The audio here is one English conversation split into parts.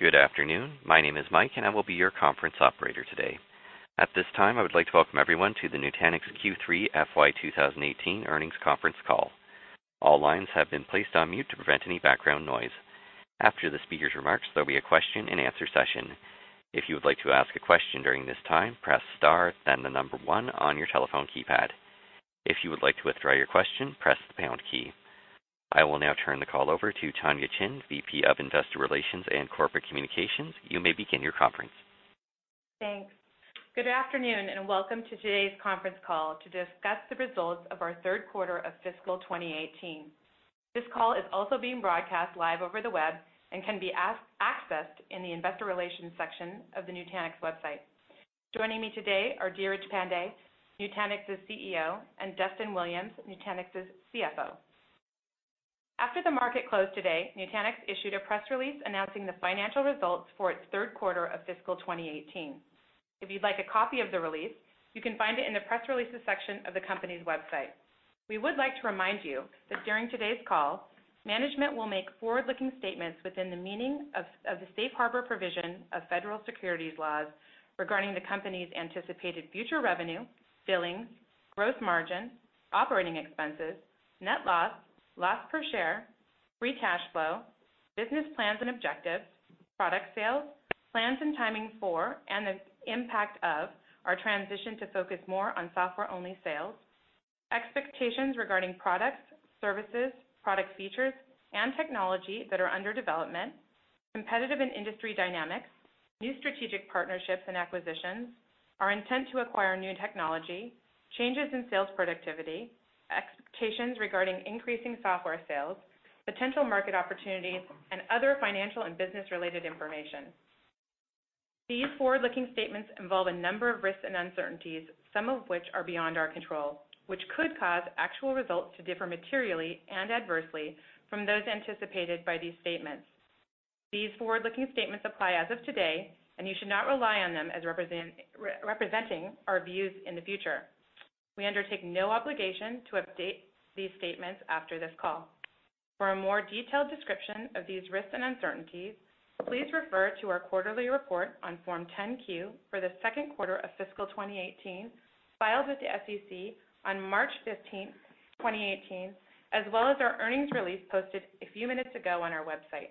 Good afternoon. My name is Mike, and I will be your conference operator today. At this time, I would like to welcome everyone to the Nutanix Q3 FY 2018 earnings conference call. All lines have been placed on mute to prevent any background noise. After the speaker's remarks, there will be a question and answer session. If you would like to ask a question during this time, press star, then the number one on your telephone keypad. If you would like to withdraw your question, press the pound key. I will now turn the call over to Tonya Chin, VP of Investor Relations and Corporate Communications. You may begin your conference. Thanks. Good afternoon. Welcome to today's conference call to discuss the results of our third quarter of fiscal 2018. This call is also being broadcast live over the web and can be accessed in the investor relations section of the Nutanix website. Joining me today are Dheeraj Pandey, Nutanix's CEO, and Duston Williams, Nutanix's CFO. After the market closed today, Nutanix issued a press release announcing the financial results for its third quarter of fiscal 2018. If you'd like a copy of the release, you can find it in the press releases section of the company's website. We would like to remind you that during today's call, management will make forward-looking statements within the meaning of the safe harbor provision of federal securities laws regarding the company's anticipated future revenue, billings, gross margin, operating expenses, net loss per share, free cash flow, business plans and objectives, product sales, plans and timing for, and the impact of our transition to focus more on software-only sales, expectations regarding products, services, product features, and technology that are under development, competitive and industry dynamics, new strategic partnerships and acquisitions, our intent to acquire new technology, changes in sales productivity, expectations regarding increasing software sales, potential market opportunities, and other financial and business-related information. These forward-looking statements involve a number of risks and uncertainties, some of which are beyond our control, which could cause actual results to differ materially and adversely from those anticipated by these statements. These forward-looking statements apply as of today. You should not rely on them as representing our views in the future. We undertake no obligation to update these statements after this call. For a more detailed description of these risks and uncertainties, please refer to our quarterly report on Form 10-Q for the second quarter of fiscal 2018, filed with the SEC on March 15, 2018, as well as our earnings release posted a few minutes ago on our website.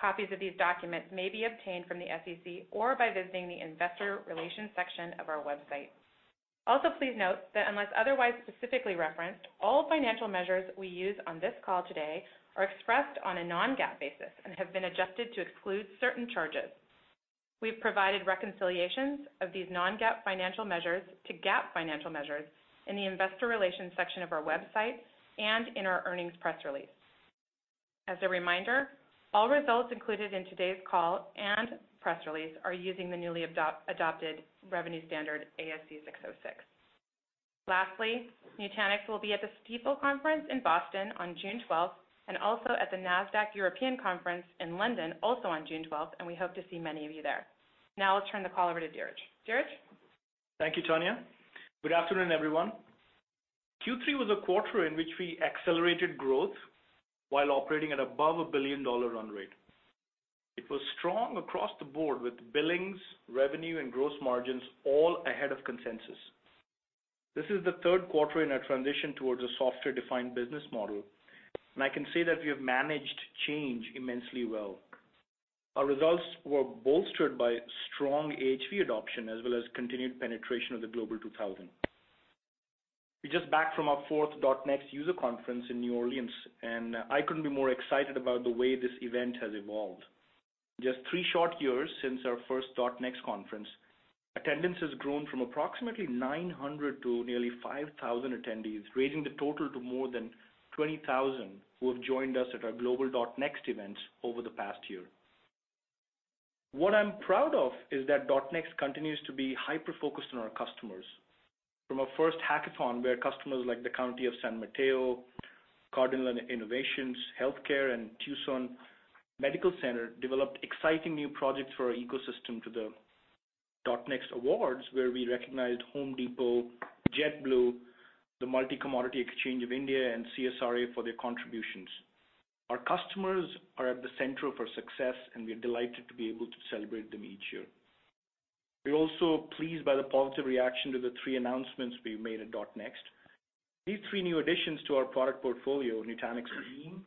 Copies of these documents may be obtained from the SEC or by visiting the investor relations section of our website. Also, please note that unless otherwise specifically referenced, all financial measures we use on this call today are expressed on a non-GAAP basis and have been adjusted to exclude certain charges. We've provided reconciliations of these non-GAAP financial measures to GAAP financial measures in the investor relations section of our website and in our earnings press release. As a reminder, all results included in today's call and press release are using the newly adopted revenue standard, ASC 606. Lastly, Nutanix will be at the Stifel Conference in Boston on June 12th and also at the Nasdaq European Conference in London, also on June 12th, and we hope to see many of you there. I'll turn the call over to Dheeraj. Dheeraj? Thank you, Tonya. Good afternoon, everyone. Q3 was a quarter in which we accelerated growth while operating at above a billion-dollar run rate. It was strong across the board with billings, revenue, and gross margins all ahead of consensus. This is the third quarter in our transition towards a software-defined business model, I can say that we have managed change immensely well. Our results were bolstered by strong AHV adoption, as well as continued penetration of the Global 2000. We're just back from our fourth .NEXT user conference in New Orleans, I couldn't be more excited about the way this event has evolved. In just three short years since our first .NEXT conference, attendance has grown from approximately 900 to nearly 5,000 attendees, raising the total to more than 20,000 who have joined us at our global .NEXT events over the past year. What I'm proud of is that .NEXT continues to be hyper-focused on our customers. From our first hackathon, where customers like the County of San Mateo, Cardinal Innovations Healthcare and Tucson Medical Center developed exciting new projects for our ecosystem to the .NEXT awards, where we recognized Home Depot, JetBlue, the Multi-Commodity Exchange of India and CSRA for their contributions. Our customers are at the center of our success, we are delighted to be able to celebrate them each year. We're also pleased by the positive reaction to the three announcements we made at .NEXT. These three new additions to our product portfolio, Nutanix Stream,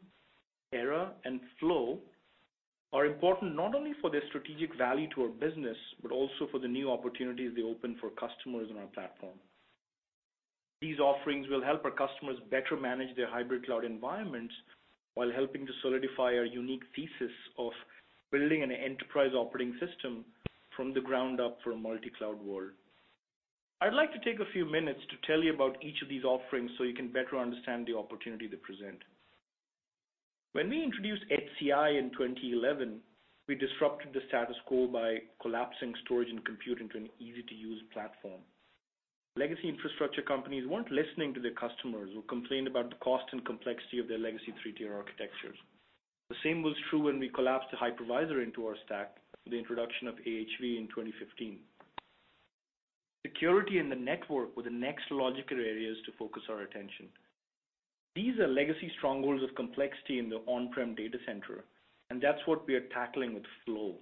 Era, and Flow, are important not only for their strategic value to our business, also for the new opportunities they open for customers on our platform. These offerings will help our customers better manage their hybrid cloud environments while helping to solidify our unique thesis of building an enterprise operating system from the ground up for a multi-cloud world. I'd like to take a few minutes to tell you about each of these offerings so you can better understand the opportunity they present. When we introduced HCI in 2011, we disrupted the status quo by collapsing storage and compute into an easy-to-use platform. Legacy infrastructure companies weren't listening to their customers who complained about the cost and complexity of their legacy three-tier architectures. The same was true when we collapsed the hypervisor into our stack with the introduction of AHV in 2015. Security and the network were the next logical areas to focus our attention. These are legacy strongholds of complexity in the on-prem data center, that's what we are tackling with Flow.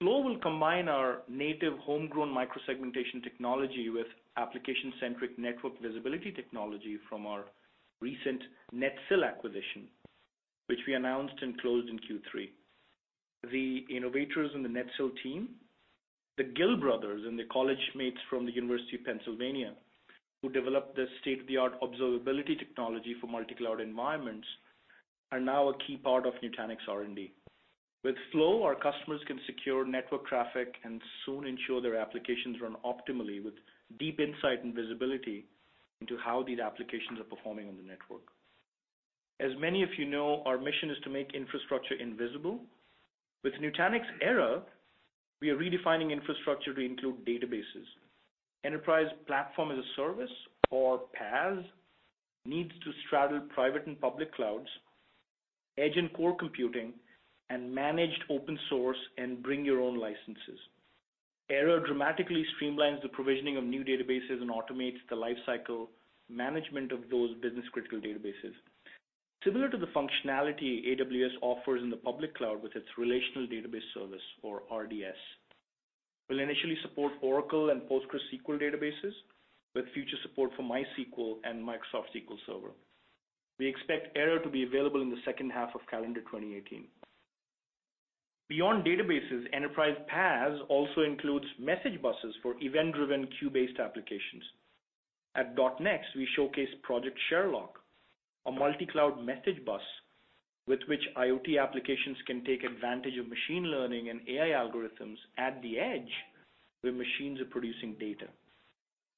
Flow will combine our native homegrown micro-segmentation technology with application-centric network visibility technology from our recent Netsil acquisition, which we announced and closed in Q3. The innovators in the Netsil team, Harjot Gill. and their college mates from the University of Pennsylvania, who developed this state-of-the-art observability technology for multi-cloud environments, are now a key part of Nutanix R&D. With Flow, our customers can secure network traffic and soon ensure their applications run optimally with deep insight and visibility into how these applications are performing on the network. As many of you know, our mission is to make infrastructure invisible. With Nutanix Era, we are redefining infrastructure to include databases. Enterprise Platform as a Service, or PaaS, needs to straddle private and public clouds, edge and core computing, and managed open source and bring-your-own-licenses. Era dramatically streamlines the provisioning of new databases and automates the lifecycle management of those business-critical databases. Similar to the functionality AWS offers in the public cloud with its Relational Database Service, or RDS. We'll initially support Oracle and PostgreSQL databases with future support for MySQL and Microsoft SQL Server. We expect Era to be available in the second half of calendar 2018. Beyond databases, enterprise PaaS also includes message buses for event-driven queue-based applications. At .NEXT, we showcased Project Sherlock, a multi-cloud message bus with which IoT applications can take advantage of machine learning and AI algorithms at the edge, where machines are producing data.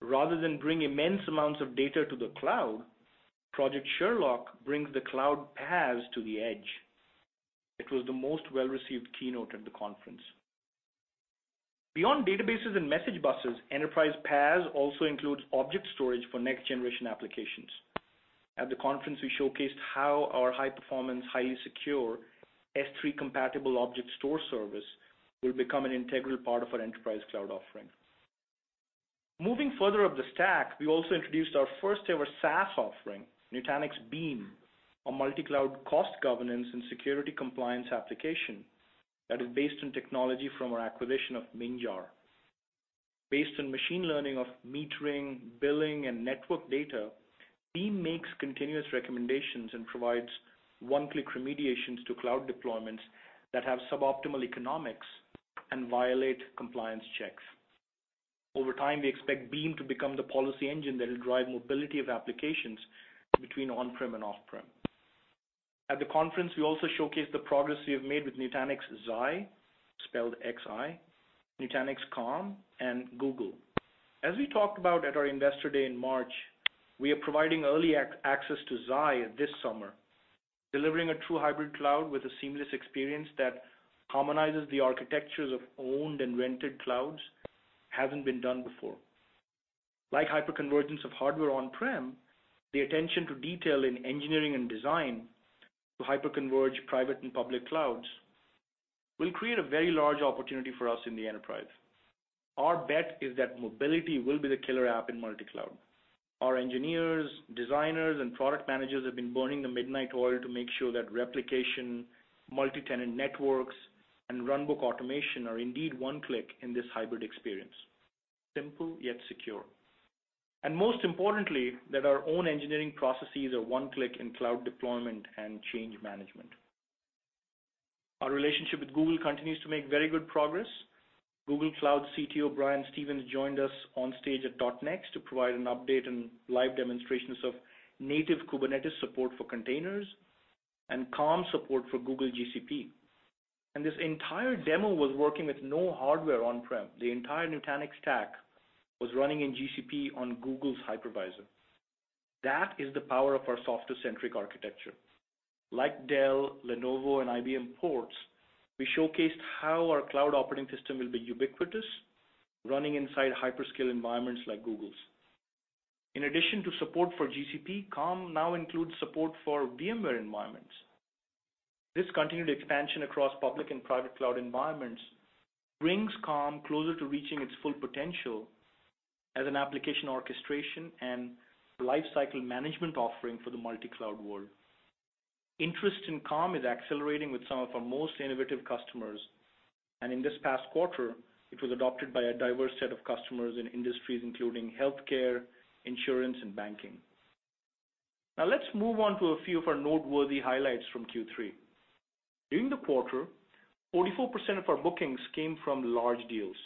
Rather than bring immense amounts of data to the cloud, Project Sherlock brings the cloud PaaS to the edge. It was the most well-received keynote at the conference. Beyond databases and message buses, enterprise PaaS also includes object storage for next-generation applications. At the conference, we showcased how our high-performance, highly secure S3-compatible object store service will become an integral part of our enterprise cloud offering. Moving further up the stack, we also introduced our first-ever SaaS offering, Nutanix Beam, a multi-cloud cost governance and security compliance application that is based on technology from our acquisition of Minjar. Based on machine learning of metering, billing, and network data, Beam makes continuous recommendations and provides one-click remediations to cloud deployments that have suboptimal economics and violate compliance checks. Over time, we expect Beam to become the policy engine that will drive mobility of applications between on-prem and off-prem. At the conference, we also showcased the progress we have made with Nutanix Xi, spelled X-I, Nutanix Calm, and Google. As we talked about at our Investor Day in March, we are providing early access to Xi this summer, delivering a true hybrid cloud with a seamless experience that harmonizes the architectures of owned and rented clouds hasn't been done before. Like hyperconvergence of hardware on-prem, the attention to detail in engineering and design to hyperconverge private and public clouds will create a very large opportunity for us in the enterprise. Our bet is that mobility will be the killer app in multi-cloud. Our engineers, designers, and product managers have been burning the midnight oil to make sure that replication, multi-tenant networks, and runbook automation are indeed one click in this hybrid experience. Simple, yet secure. Most importantly, that our own engineering processes are one click in cloud deployment and change management. Our relationship with Google continues to make very good progress. Google Cloud CTO Brian Stevens joined us on stage at .NEXT to provide an update and live demonstrations of native Kubernetes support for containers and Calm support for Google GCP. This entire demo was working with no hardware on-prem. The entire Nutanix stack was running in GCP on Google's hypervisor. That is the power of our software-centric architecture. Like Dell, Lenovo, and IBM Power, we showcased how our cloud operating system will be ubiquitous, running inside hyperscale environments like Google's. In addition to support for GCP, Calm now includes support for VMware environments. This continued expansion across public and private cloud environments brings Calm closer to reaching its full potential as an application orchestration and lifecycle management offering for the multi-cloud world. Interest in Calm is accelerating with some of our most innovative customers. In this past quarter, it was adopted by a diverse set of customers in industries including healthcare, insurance, and banking. Let's move on to a few of our noteworthy highlights from Q3. During the quarter, 44% of our bookings came from large deals.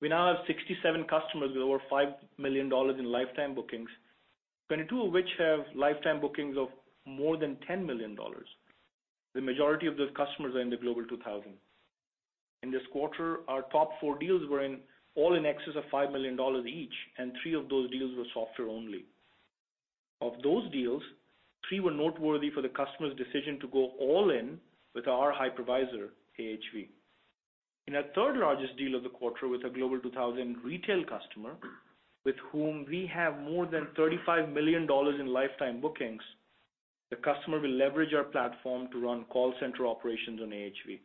We now have 67 customers with over $5 million in lifetime bookings, 22 of which have lifetime bookings of more than $10 million. The majority of those customers are in the Global 2000. In this quarter, our top four deals were all in excess of $5 million each, and three of those deals were software only. Of those deals, three were noteworthy for the customer's decision to go all in with our hypervisor, AHV. In our third-largest deal of the quarter with a Global 2000 retail customer, with whom we have more than $35 million in lifetime bookings, the customer will leverage our platform to run call center operations on AHV.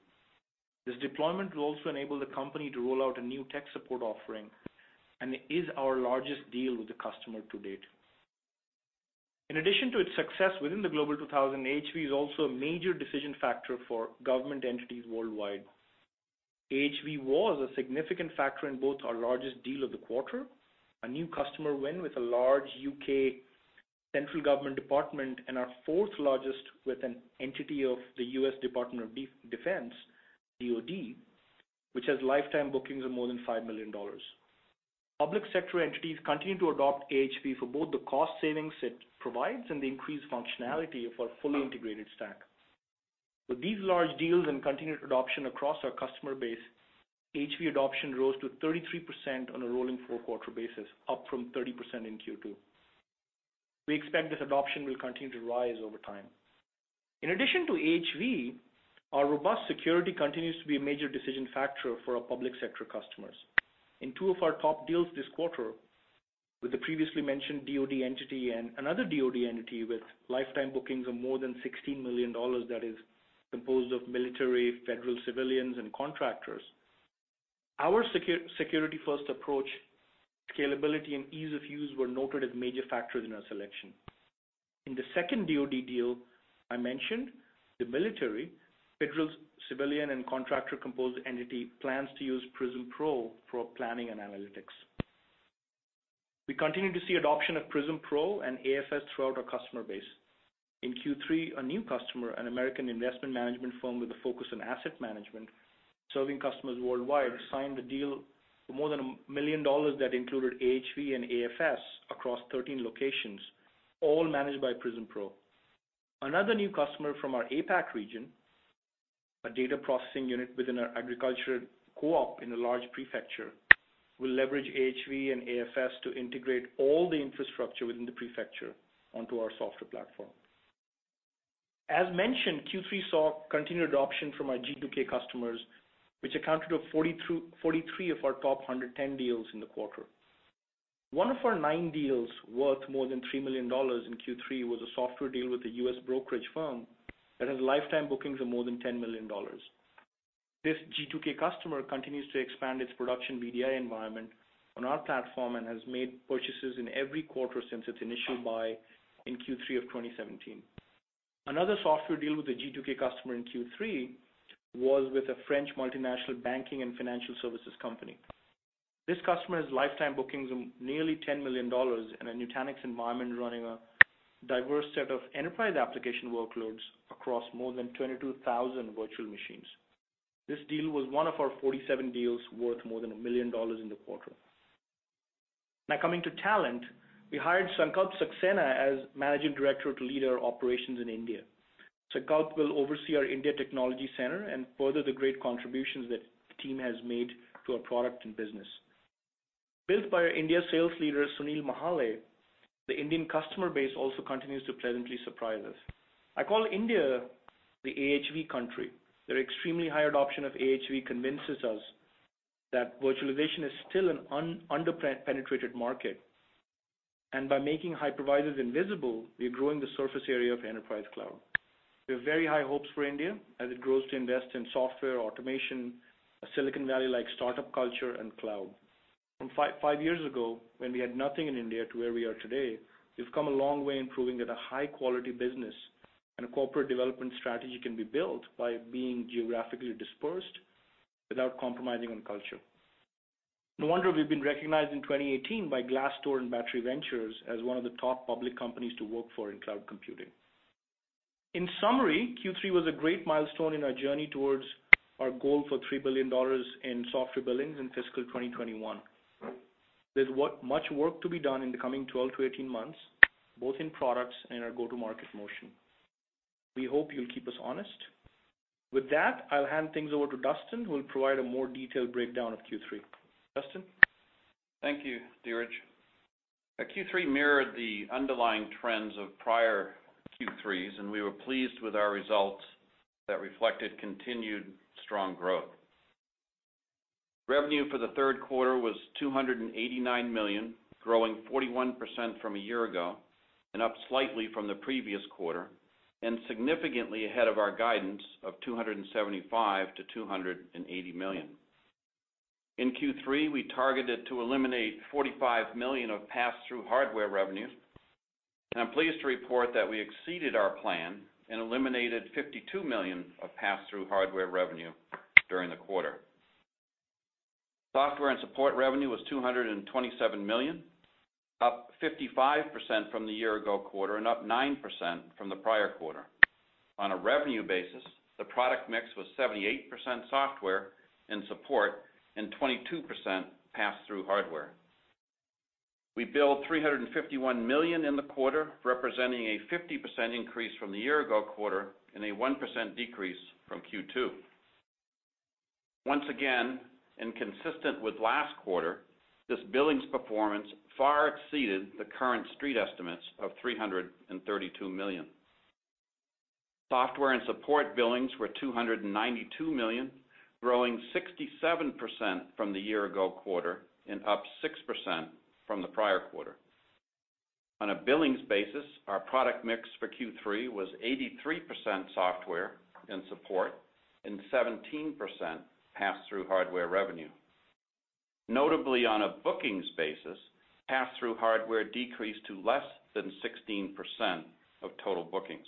This deployment will also enable the company to roll out a new tech support offering, and it is our largest deal with the customer to date. In addition to its success within the Global 2000, AHV is also a major decision factor for government entities worldwide. AHV was a significant factor in both our largest deal of the quarter, a new customer win with a large U.K. central government department, and our fourth largest with an entity of the U.S. Department of Defense, DoD, which has lifetime bookings of more than $5 million. Public sector entities continue to adopt AHV for both the cost savings it provides and the increased functionality of our fully integrated stack. With these large deals and continued adoption across our customer base, AHV adoption rose to 33% on a rolling four-quarter basis, up from 30% in Q2. We expect this adoption will continue to rise over time. In addition to AHV, our robust security continues to be a major decision factor for our public sector customers. In two of our top deals this quarter, with the previously mentioned DoD entity and another DoD entity with lifetime bookings of more than $16 million that is composed of military, federal civilians, and contractors, our security-first approach, scalability, and ease of use were noted as major factors in our selection. In the second DoD deal I mentioned, the military, federal civilian, and contractor-composed entity plans to use Prism Pro for planning and analytics. We continue to see adoption of Prism Pro and AFS throughout our customer base. In Q3, a new customer, an American investment management firm with a focus on asset management serving customers worldwide, signed a deal for more than $1 million that included AHV and AFS across 13 locations, all managed by Prism Pro. Another new customer from our APAC region, a data processing unit within an agricultural co-op in a large prefecture, will leverage AHV and AFS to integrate all the infrastructure within the prefecture onto our software platform. As mentioned, Q3 saw continued adoption from our G2K customers, which accounted to 43 of our top 110 deals in the quarter. One of our nine deals worth more than $3 million in Q3 was a software deal with a U.S. brokerage firm that has lifetime bookings of more than $10 million. This G2K customer continues to expand its production VDI environment on our platform and has made purchases in every quarter since its initial buy in Q3 of 2017. Another software deal with a G2K customer in Q3 was with a French multinational banking and financial services company. This customer has lifetime bookings of nearly $10 million and a Nutanix environment running a diverse set of enterprise application workloads across more than 22,000 virtual machines. This deal was one of our 47 deals worth more than $1 million in the quarter. Coming to talent, we hired Sankalp Saxena as Managing Director to lead our operations in India. Sankalp will oversee our India Technology Center and further the great contributions that the team has made to our product and business. Built by our India sales leader, Sunil Mahale, the Indian customer base also continues to pleasantly surprise us. I call India the AHV country. Their extremely high adoption of AHV convinces us that virtualization is still an under-penetrated market. By making hypervisors invisible, we are growing the surface area of enterprise cloud. We have very high hopes for India as it grows to invest in software automation, a Silicon Valley-like startup culture, and cloud. From five years ago, when we had nothing in India to where we are today, we've come a long way in proving that a high-quality business and a corporate development strategy can be built by being geographically dispersed without compromising on culture. In summary, Q3 was a great milestone in our journey towards our goal for $3 billion in software billings in fiscal 2021. There's much work to be done in the coming 12 to 18 months, both in products and our go-to-market motion. We hope you'll keep us honest. With that, I'll hand things over to Duston, who will provide a more detailed breakdown of Q3. Duston? Thank you, Dheeraj. Q3 mirrored the underlying trends of prior Q3s, and we were pleased with our results that reflected continued strong growth. Revenue for the third quarter was $289 million, growing 41% from a year ago, and up slightly from the previous quarter, and significantly ahead of our guidance of $275 million-$280 million. In Q3, we targeted to eliminate $45 million of passthrough hardware revenue, and I'm pleased to report that we exceeded our plan and eliminated $52 million of passthrough hardware revenue during the quarter. Software and support revenue was $227 million, up 55% from the year-ago quarter and up 9% from the prior quarter. On a revenue basis, the product mix was 78% software and support and 22% passthrough hardware. We billed $351 million in the quarter, representing a 50% increase from the year-ago quarter and a 1% decrease from Q2. Once again, consistent with last quarter, this billings performance far exceeded the current street estimates of $332 million. Software and support billings were $292 million, growing 67% from the year-ago quarter, and up 6% from the prior quarter. On a billings basis, our product mix for Q3 was 83% software and support, and 17% pass-through hardware revenue. Notably, on a bookings basis, pass-through hardware decreased to less than 16% of total bookings.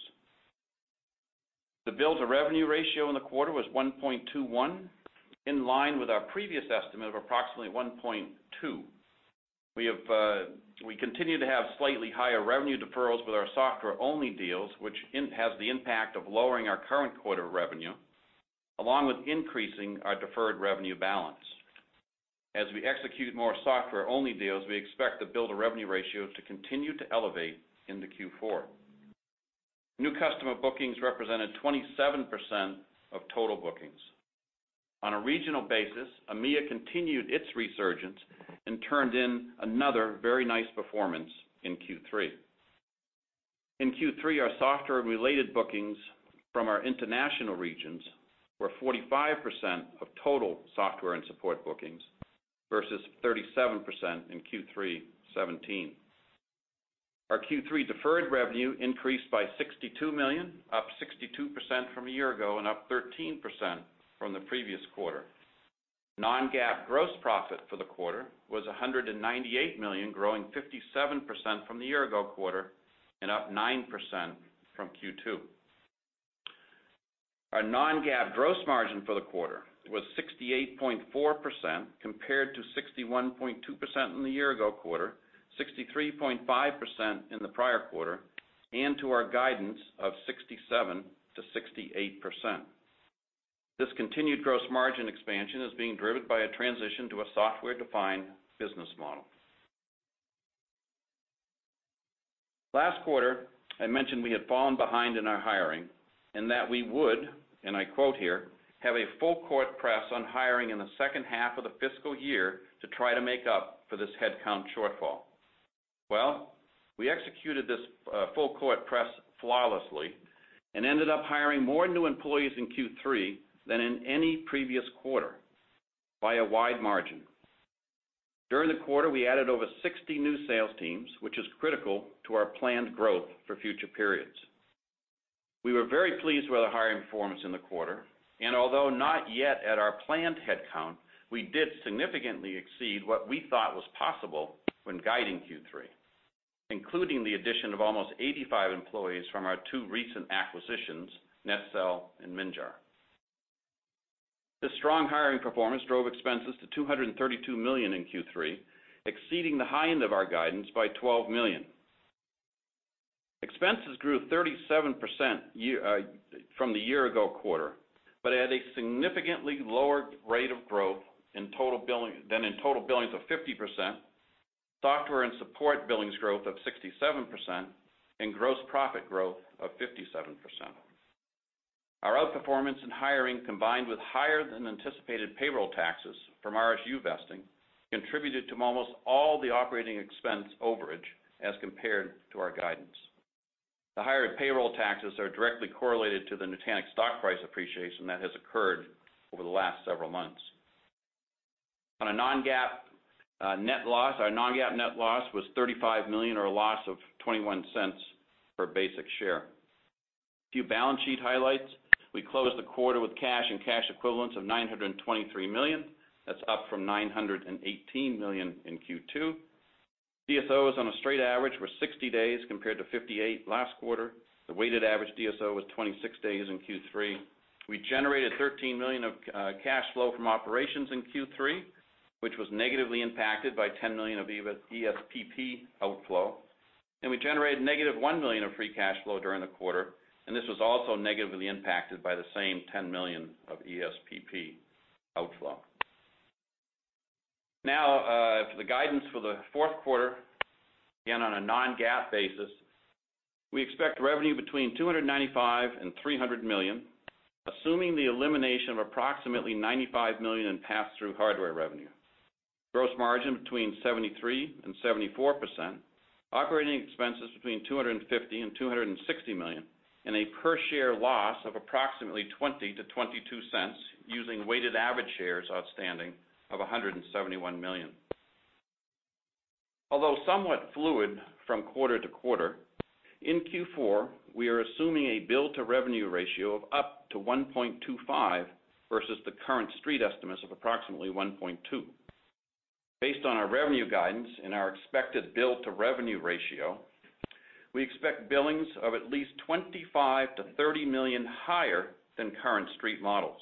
The bill to revenue ratio in the quarter was 1.21, in line with our previous estimate of approximately 1.2. We continue to have slightly higher revenue deferrals with our software-only deals, which has the impact of lowering our current quarter revenue, along with increasing our deferred revenue balance. As we execute more software-only deals, we expect the bill to revenue ratio to continue to elevate into Q4. New customer bookings represented 27% of total bookings. On a regional basis, EMEA continued its resurgence and turned in another very nice performance in Q3. In Q3, our software and related bookings from our international regions were 45% of total software and support bookings, versus 37% in Q3 2017. Our Q3 deferred revenue increased by $62 million, up 62% from a year ago, and up 13% from the previous quarter. Non-GAAP gross profit for the quarter was $198 million, growing 57% from the year-ago quarter, and up 9% from Q2. Our non-GAAP gross margin for the quarter was 68.4%, compared to 61.2% in the year-ago quarter, 63.5% in the prior quarter, and to our guidance of 67%-68%. This continued gross margin expansion is being driven by a transition to a software-defined business model. Last quarter, I mentioned we had fallen behind in our hiring, that we would, and I quote here, "Have a full court press on hiring in the second half of the fiscal year to try to make up for this headcount shortfall." We executed this full court press flawlessly and ended up hiring more new employees in Q3 than in any previous quarter by a wide margin. During the quarter, we added over 60 new sales teams, which is critical to our planned growth for future periods. We were very pleased with the hiring performance in the quarter, although not yet at our planned headcount, we did significantly exceed what we thought was possible when guiding Q3, including the addition of almost 85 employees from our two recent acquisitions, Netsil and Minjar. This strong hiring performance drove expenses to $232 million in Q3, exceeding the high end of our guidance by $12 million. Expenses grew 37% from the year ago quarter, at a significantly lower rate of growth than in total billings of 50%, software and support billings growth of 67%, and gross profit growth of 57%. Our outperformance in hiring, combined with higher than anticipated payroll taxes from RSU vesting, contributed to almost all the operating expense overage as compared to our guidance. The higher payroll taxes are directly correlated to the Nutanix stock price appreciation that has occurred over the last several months. On a non-GAAP net loss, our non-GAAP net loss was $35 million, or a loss of $0.21 per basic share. A few balance sheet highlights. We closed the quarter with cash and cash equivalents of $923 million. That's up from $918 million in Q2. DSOs on a straight average were 60 days, compared to 58 last quarter. The weighted average DSO was 26 days in Q3. We generated $13 million of cash flow from operations in Q3, which was negatively impacted by $10 million of ESPP outflow. We generated negative $1 million of free cash flow during the quarter, and this was also negatively impacted by the same $10 million of ESPP outflow. For the guidance for the fourth quarter, again, on a non-GAAP basis, we expect revenue between $295 million and $300 million, assuming the elimination of approximately $95 million in pass-through hardware revenue. Gross margin between 73% and 74%, operating expenses between $250 million and $260 million, and a per share loss of approximately $0.20 to $0.22 using weighted average shares outstanding of 171 million. Although somewhat fluid from quarter to quarter, in Q4, we are assuming a bill to revenue ratio of up to 1.25 versus the current street estimates of approximately 1.2. Based on our revenue guidance and our expected bill to revenue ratio, we expect billings of at least $25 million to $30 million higher than current street models.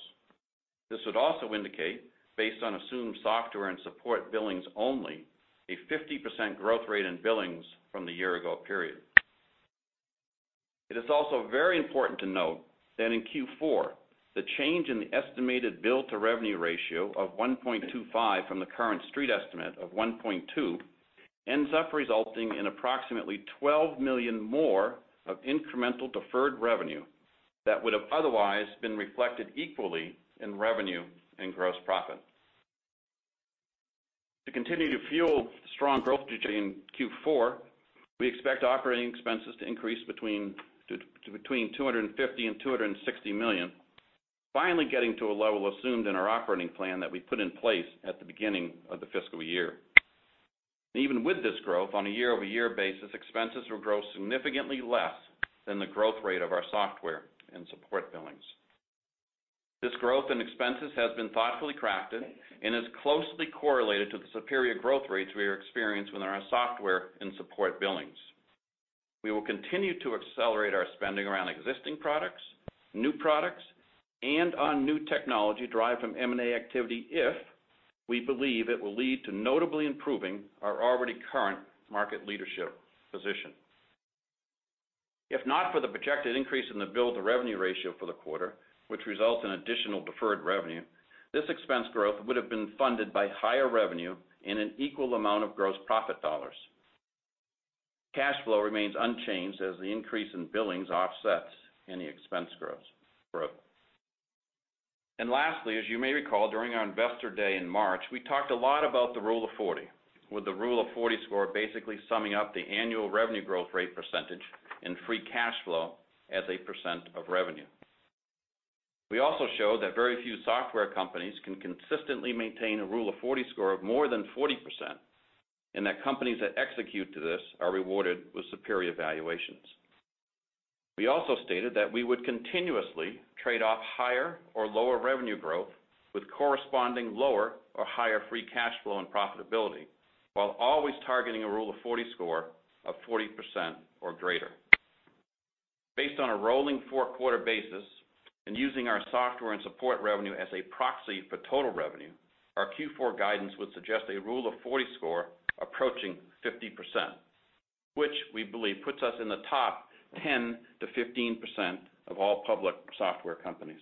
This would also indicate, based on assumed software and support billings only, a 50% growth rate in billings from the year ago period. It is also very important to note that in Q4, the change in the estimated bill to revenue ratio of 1.25 from the current street estimate of 1.2 ends up resulting in approximately $12 million more of incremental deferred revenue that would have otherwise been reflected equally in revenue and gross profit. To continue to fuel strong growth in Q4, we expect operating expenses to increase between $250 million and $260 million, finally getting to a level assumed in our operating plan that we put in place at the beginning of the fiscal year. Even with this growth, on a year-over-year basis, expenses will grow significantly less than the growth rate of our software and support billings. This growth in expenses has been thoughtfully crafted and is closely correlated to the superior growth rates we are experiencing in our software and support billings. We will continue to accelerate our spending around existing products, new products, and on new technology derived from M&A activity if we believe it will lead to notably improving our already current market leadership position. If not for the projected increase in the bill-to-revenue ratio for the quarter, which results in additional deferred revenue, this expense growth would have been funded by higher revenue in an equal amount of gross profit dollars. Cash flow remains unchanged as the increase in billings offsets any expense growth. Lastly, as you may recall, during our Investor Day in March, we talked a lot about the Rule of 40, with the Rule of 40 score basically summing up the annual revenue growth rate % and free cash flow as a % of revenue. We also showed that very few software companies can consistently maintain a Rule of 40 score of more than 40%, and that companies that execute to this are rewarded with superior valuations. We also stated that we would continuously trade off higher or lower revenue growth with corresponding lower or higher free cash flow and profitability, while always targeting a Rule of 40 score of 40% or greater. Based on a rolling four-quarter basis and using our software and support revenue as a proxy for total revenue, our Q4 guidance would suggest a Rule of 40 score approaching 50%, which we believe puts us in the top 10%-15% of all public software companies.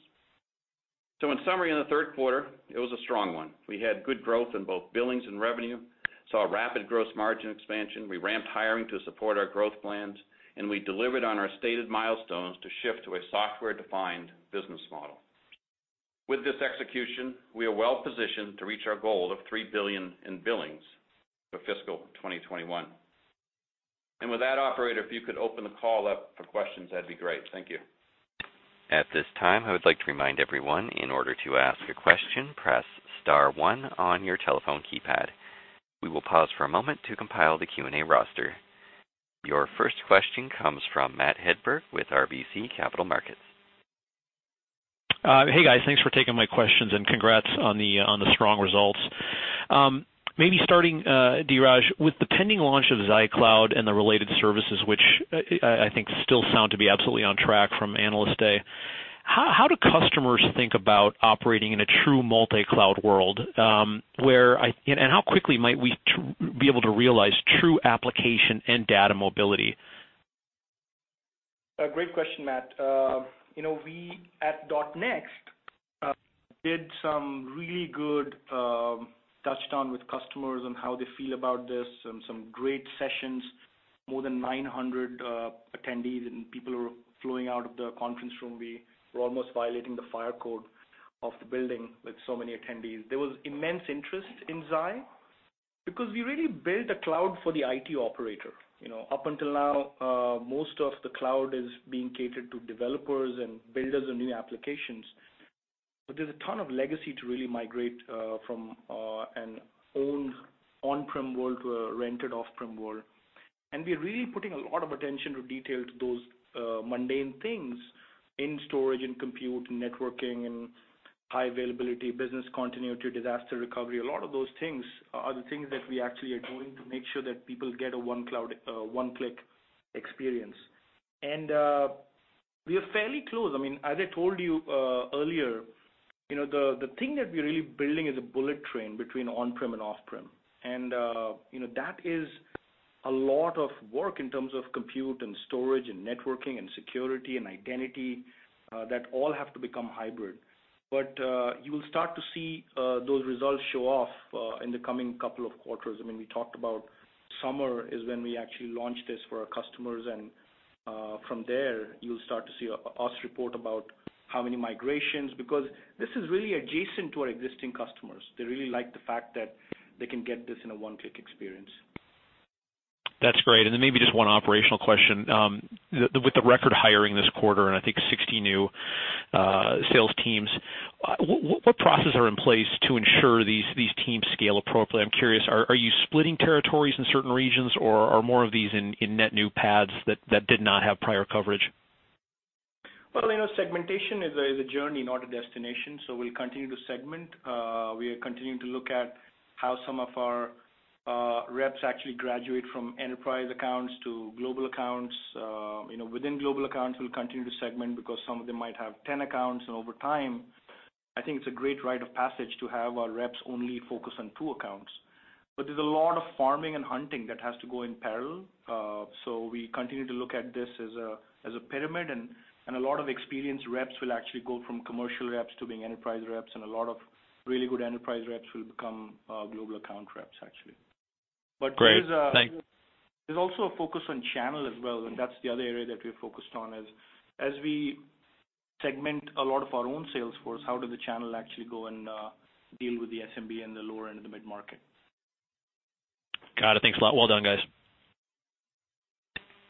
In summary, in the third quarter, it was a strong one. We had good growth in both billings and revenue, saw rapid gross margin expansion, we ramped hiring to support our growth plans, and we delivered on our stated milestones to shift to a software-defined business model. With this execution, we are well-positioned to reach our goal of $3 billion in billings for fiscal 2021. With that, operator, if you could open the call up for questions, that'd be great. Thank you. At this time, I would like to remind everyone, in order to ask a question, press *1 on your telephone keypad. We will pause for a moment to compile the Q&A roster. Your first question comes from Matt Hedberg with RBC Capital Markets. Hey, guys. Thanks for taking my questions and congrats on the strong results. Maybe starting, Dheeraj, with the pending launch of Xi Cloud and the related services, which I think still sound to be absolutely on track from Analyst Day, how do customers think about operating in a true multi-cloud world, and how quickly might we be able to realize true application and data mobility? A great question, Matt. We at .NEXT did some really good touchdown with customers on how they feel about this and some great sessions. More than 900 attendees, people were flowing out of the conference room. We were almost violating the fire code of the building with so many attendees. There was immense interest in Xi because we really built a cloud for the IT operator. Up until now, most of the cloud is being catered to developers and builders of new applications. There's a ton of legacy to really migrate from an owned on-prem world to a rented off-prem world. We're really putting a lot of attention to detail to those mundane things in storage and compute, networking, and high availability, business continuity, disaster recovery. A lot of those things are the things that we actually are doing to make sure that people get a one-click experience. We are fairly close. As I told you earlier, the thing that we're really building is a bullet train between on-prem and off-prem. That is a lot of work in terms of compute and storage and networking and security and identity that all have to become hybrid. You will start to see those results show off in the coming couple of quarters. We talked about summer is when we actually launch this for our customers, and from there, you'll start to see us report about how many migrations, because this is really adjacent to our existing customers. They really like the fact that they can get this in a one-click experience. That's great. Then maybe just one operational question. With the record hiring this quarter, and I think 60 new sales teams, what processes are in place to ensure these teams scale appropriately? I'm curious, are you splitting territories in certain regions or are more of these in net new paths that did not have prior coverage? Well, segmentation is a journey, not a destination, so we'll continue to segment. We are continuing to look at how some of our reps actually graduate from enterprise accounts to global accounts. Within global accounts, we'll continue to segment because some of them might have 10 accounts, and over time, I think it's a great rite of passage to have our reps only focus on two accounts. There's a lot of farming and hunting that has to go in parallel. We continue to look at this as a pyramid, and a lot of experienced reps will actually go from commercial reps to being enterprise reps, and a lot of really good enterprise reps will become global account reps actually. Great. Thanks. There's also a focus on channel as well, and that's the other area that we're focused on is, as we segment a lot of our own sales force, how does the channel actually go and deal with the SMB and the lower end of the mid-market? Got it. Thanks a lot. Well done, guys.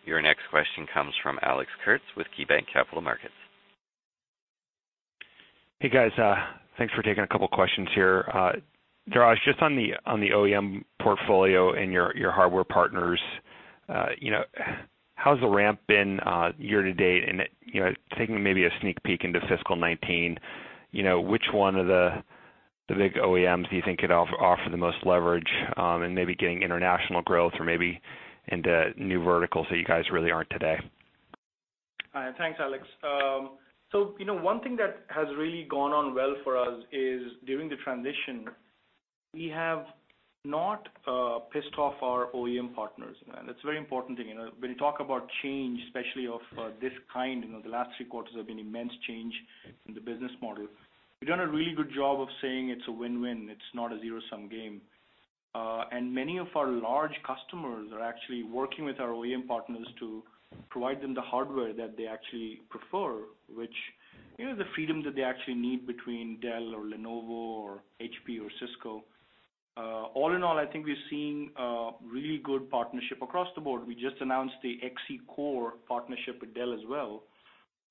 Your next question comes from Alex Kurtz with KeyBanc Capital Markets. Hey, guys. Thanks for taking a couple questions here. Dheeraj, just on the OEM portfolio and your hardware partners, how's the ramp been year to date? Taking maybe a sneak peek into fiscal 2019, which one of the big OEMs do you think could offer the most leverage in maybe getting international growth or maybe into new verticals that you guys really aren't today? Thanks, Alex. One thing that has really gone on well for us is, during the transition, we have not pissed off our OEM partners. That's a very important thing. When you talk about change, especially of this kind, the last three quarters have been immense change in the business model. We've done a really good job of saying it's a win-win. It's not a zero-sum game. Many of our large customers are actually working with our OEM partners to provide them the hardware that they actually prefer, which is the freedom that they actually need between Dell or Lenovo or HP or Cisco. All in all, I think we're seeing a really good partnership across the board. We just announced the XC Core partnership with Dell as well,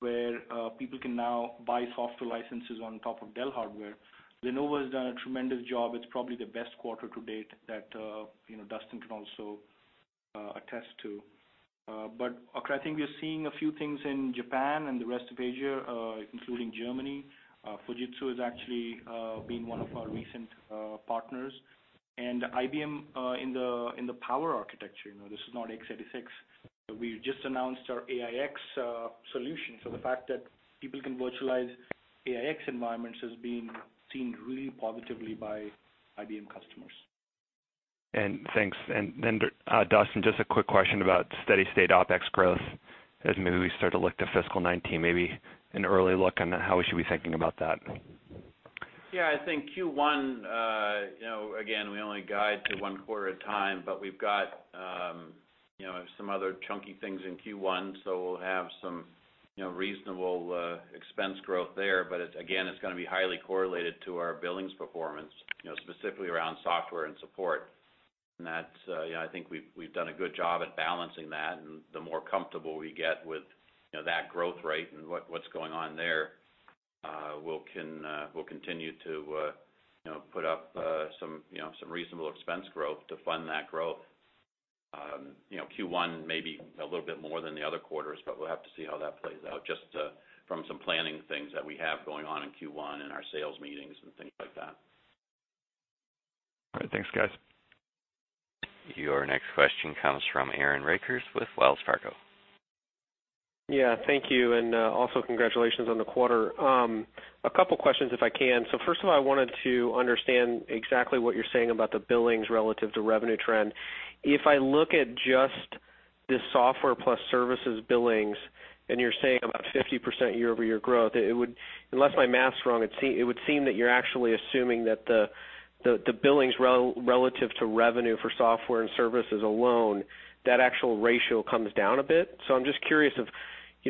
where people can now buy software licenses on top of Dell hardware. Lenovo has done a tremendous job. It's probably the best quarter to date that Duston can also attest to. I think we're seeing a few things in Japan and the rest of Asia, including Germany. Fujitsu has actually been one of our recent partners. IBM in the Power Architecture, this is not x86, but we just announced our AIX solution. The fact that people can virtualize AIX environments has been seen really positively by IBM customers. Thanks. Then Duston, just a quick question about steady state OpEx growth as maybe we start to look to fiscal 2019, maybe an early look on how we should be thinking about that. I think Q1, again, we only guide to one quarter at a time, we've got some other chunky things in Q1, we'll have some reasonable expense growth there. Again, it's going to be highly correlated to our billings performance, specifically around software and support. That's I think we've done a good job at balancing that, the more comfortable we get with that growth rate and what's going on there, we'll continue to put up some reasonable expense growth to fund that growth. Q1 may be a little bit more than the other quarters, we'll have to see how that plays out just from some planning things that we have going on in Q1 and our sales meetings and things like that. All right. Thanks, guys. Your next question comes from Aaron Rakers with Wells Fargo. Yeah, thank you, and also congratulations on the quarter. A couple questions if I can. First of all, I wanted to understand exactly what you're saying about the billings relative to revenue trend. If I look at just the software plus services billings, and you're saying about 50% year-over-year growth, unless my math's wrong, it would seem that you're actually assuming that the billings relative to revenue for software and services alone, that actual ratio comes down a bit. I'm just curious of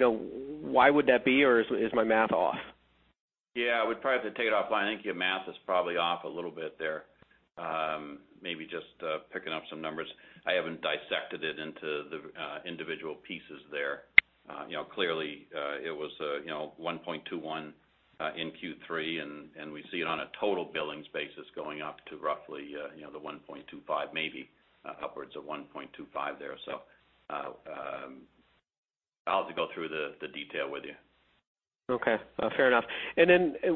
why would that be, or is my math off? Yeah, I would probably have to take it offline. I think your math is probably off a little bit there. Maybe just picking up some numbers. I haven't dissected it into the individual pieces there. Clearly, it was 1.21 in Q3, and we see it on a total billings basis going up to roughly the 1.25, maybe upwards of 1.25 there or so. I'll have to go through the detail with you. Okay. Fair enough.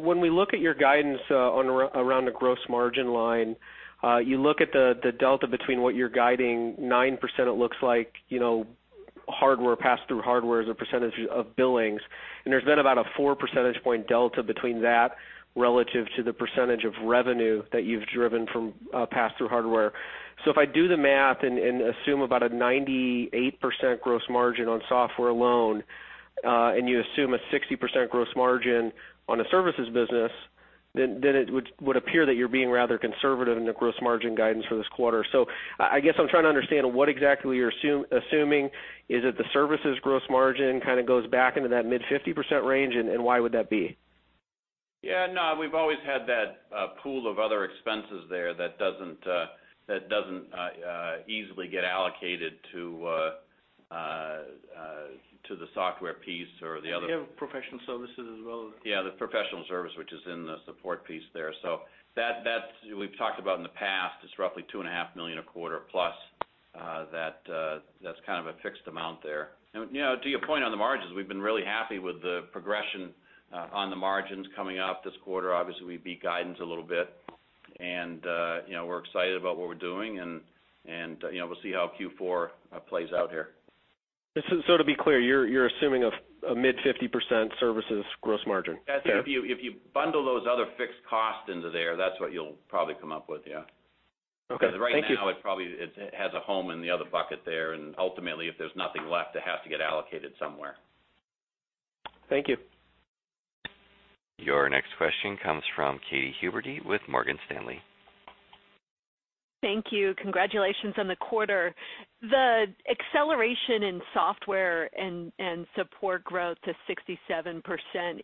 When we look at your guidance around the gross margin line, you look at the delta between what you're guiding, 9%, it looks like, pass-through hardware as a percentage of billings. There's then about a four percentage point delta between that relative to the percentage of revenue that you've driven from pass-through hardware. If I do the math and assume about a 98% gross margin on software alone, and you assume a 60% gross margin on the services business, then it would appear that you're being rather conservative in the gross margin guidance for this quarter. I guess I'm trying to understand what exactly you're assuming. Is it the services gross margin kind of goes back into that mid-50% range, and why would that be? Yeah, no, we've always had that pool of other expenses there that doesn't easily get allocated to the software piece or the other- You have professional services as well. Yeah, the professional service, which is in the support piece there. That we've talked about in the past. It's roughly $2.5 million a quarter plus. That's kind of a fixed amount there. To your point on the margins, we've been really happy with the progression on the margins coming up this quarter. Obviously, we beat guidance a little bit, and we're excited about what we're doing, and we'll see how Q4 plays out here. To be clear, you're assuming a mid-50% services gross margin. Okay. I think if you bundle those other fixed costs into there, that's what you'll probably come up with, yeah. Okay. Thank you. Right now, it probably has a home in the other bucket there, and ultimately, if there's nothing left, it has to get allocated somewhere. Thank you. Your next question comes from Katy Huberty with Morgan Stanley. Thank you. Congratulations on the quarter. The acceleration in software and support growth to 67%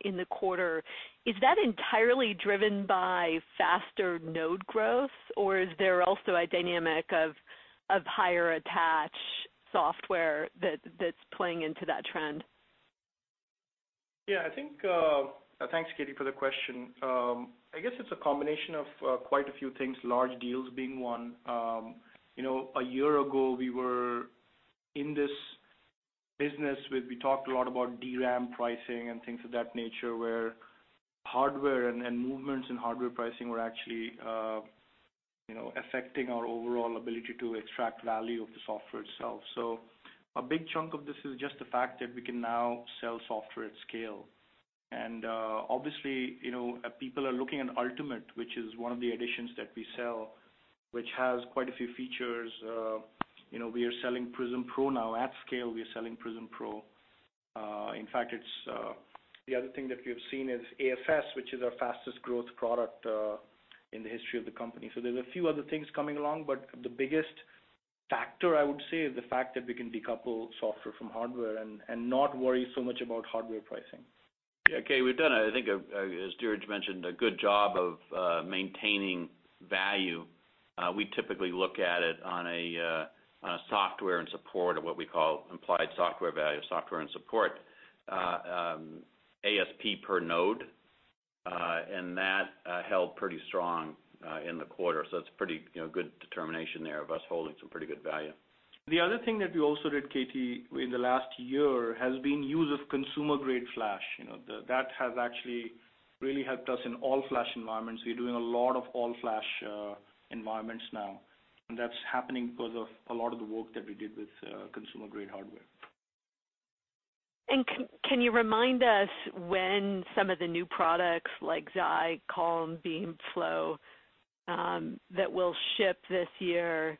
in the quarter, is that entirely driven by faster node growth, or is there also a dynamic of higher attach software that's playing into that trend? Yeah. Thanks, Katy, for the question. I guess it's a combination of quite a few things, large deals being one. A year ago, we were in this business where we talked a lot about DRAM pricing and things of that nature, where hardware and movements in hardware pricing were actually affecting our overall ability to extract value of the software itself. A big chunk of this is just the fact that we can now sell software at scale. Obviously, people are looking at Ultimate, which is one of the editions that we sell, which has quite a few features. We are selling Prism Pro now at scale. In fact, the other thing that we have seen is AFS, which is our fastest growth product in the history of the company. There's a few other things coming along, but the biggest factor, I would say, is the fact that we can decouple software from hardware and not worry so much about hardware pricing. Yeah, Katy, we've done, I think, as Dheeraj mentioned, a good job of maintaining value. We typically look at it on a software and support, or what we call implied software value, software and support, ASP per node, and that held pretty strong in the quarter. It's pretty good determination there of us holding some pretty good value. The other thing that we also did, Katy, in the last year has been use of consumer-grade flash. That has actually really helped us in all-flash environments. We're doing a lot of all-flash environments now. That's happening because of a lot of the work that we did with consumer-grade hardware. Can you remind us when some of the new products like Xi, Calm, Beam, Flow, that will ship this year,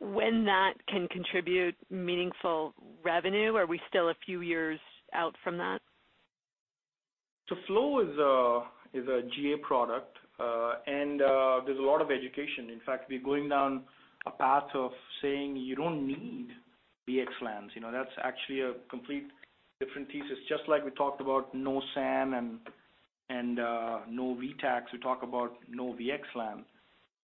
when that can contribute meaningful revenue? Are we still a few years out from that? Flow is a GA product. There's a lot of education. In fact, we're going down a path of saying, "You don't need VXLANs." That's actually a complete different thesis. Just like we talked about no SAN and no vTax, we talk about no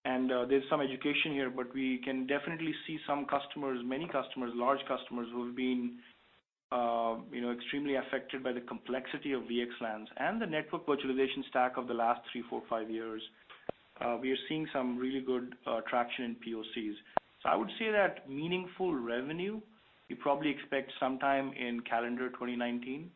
VXLAN. There's some education here, but we can definitely see some customers, many customers, large customers, who have been extremely affected by the complexity of VXLANs and the network virtualization stack of the last three, four, five years. We are seeing some really good traction in POCs. I would say that meaningful revenue, you probably expect sometime in calendar 2019.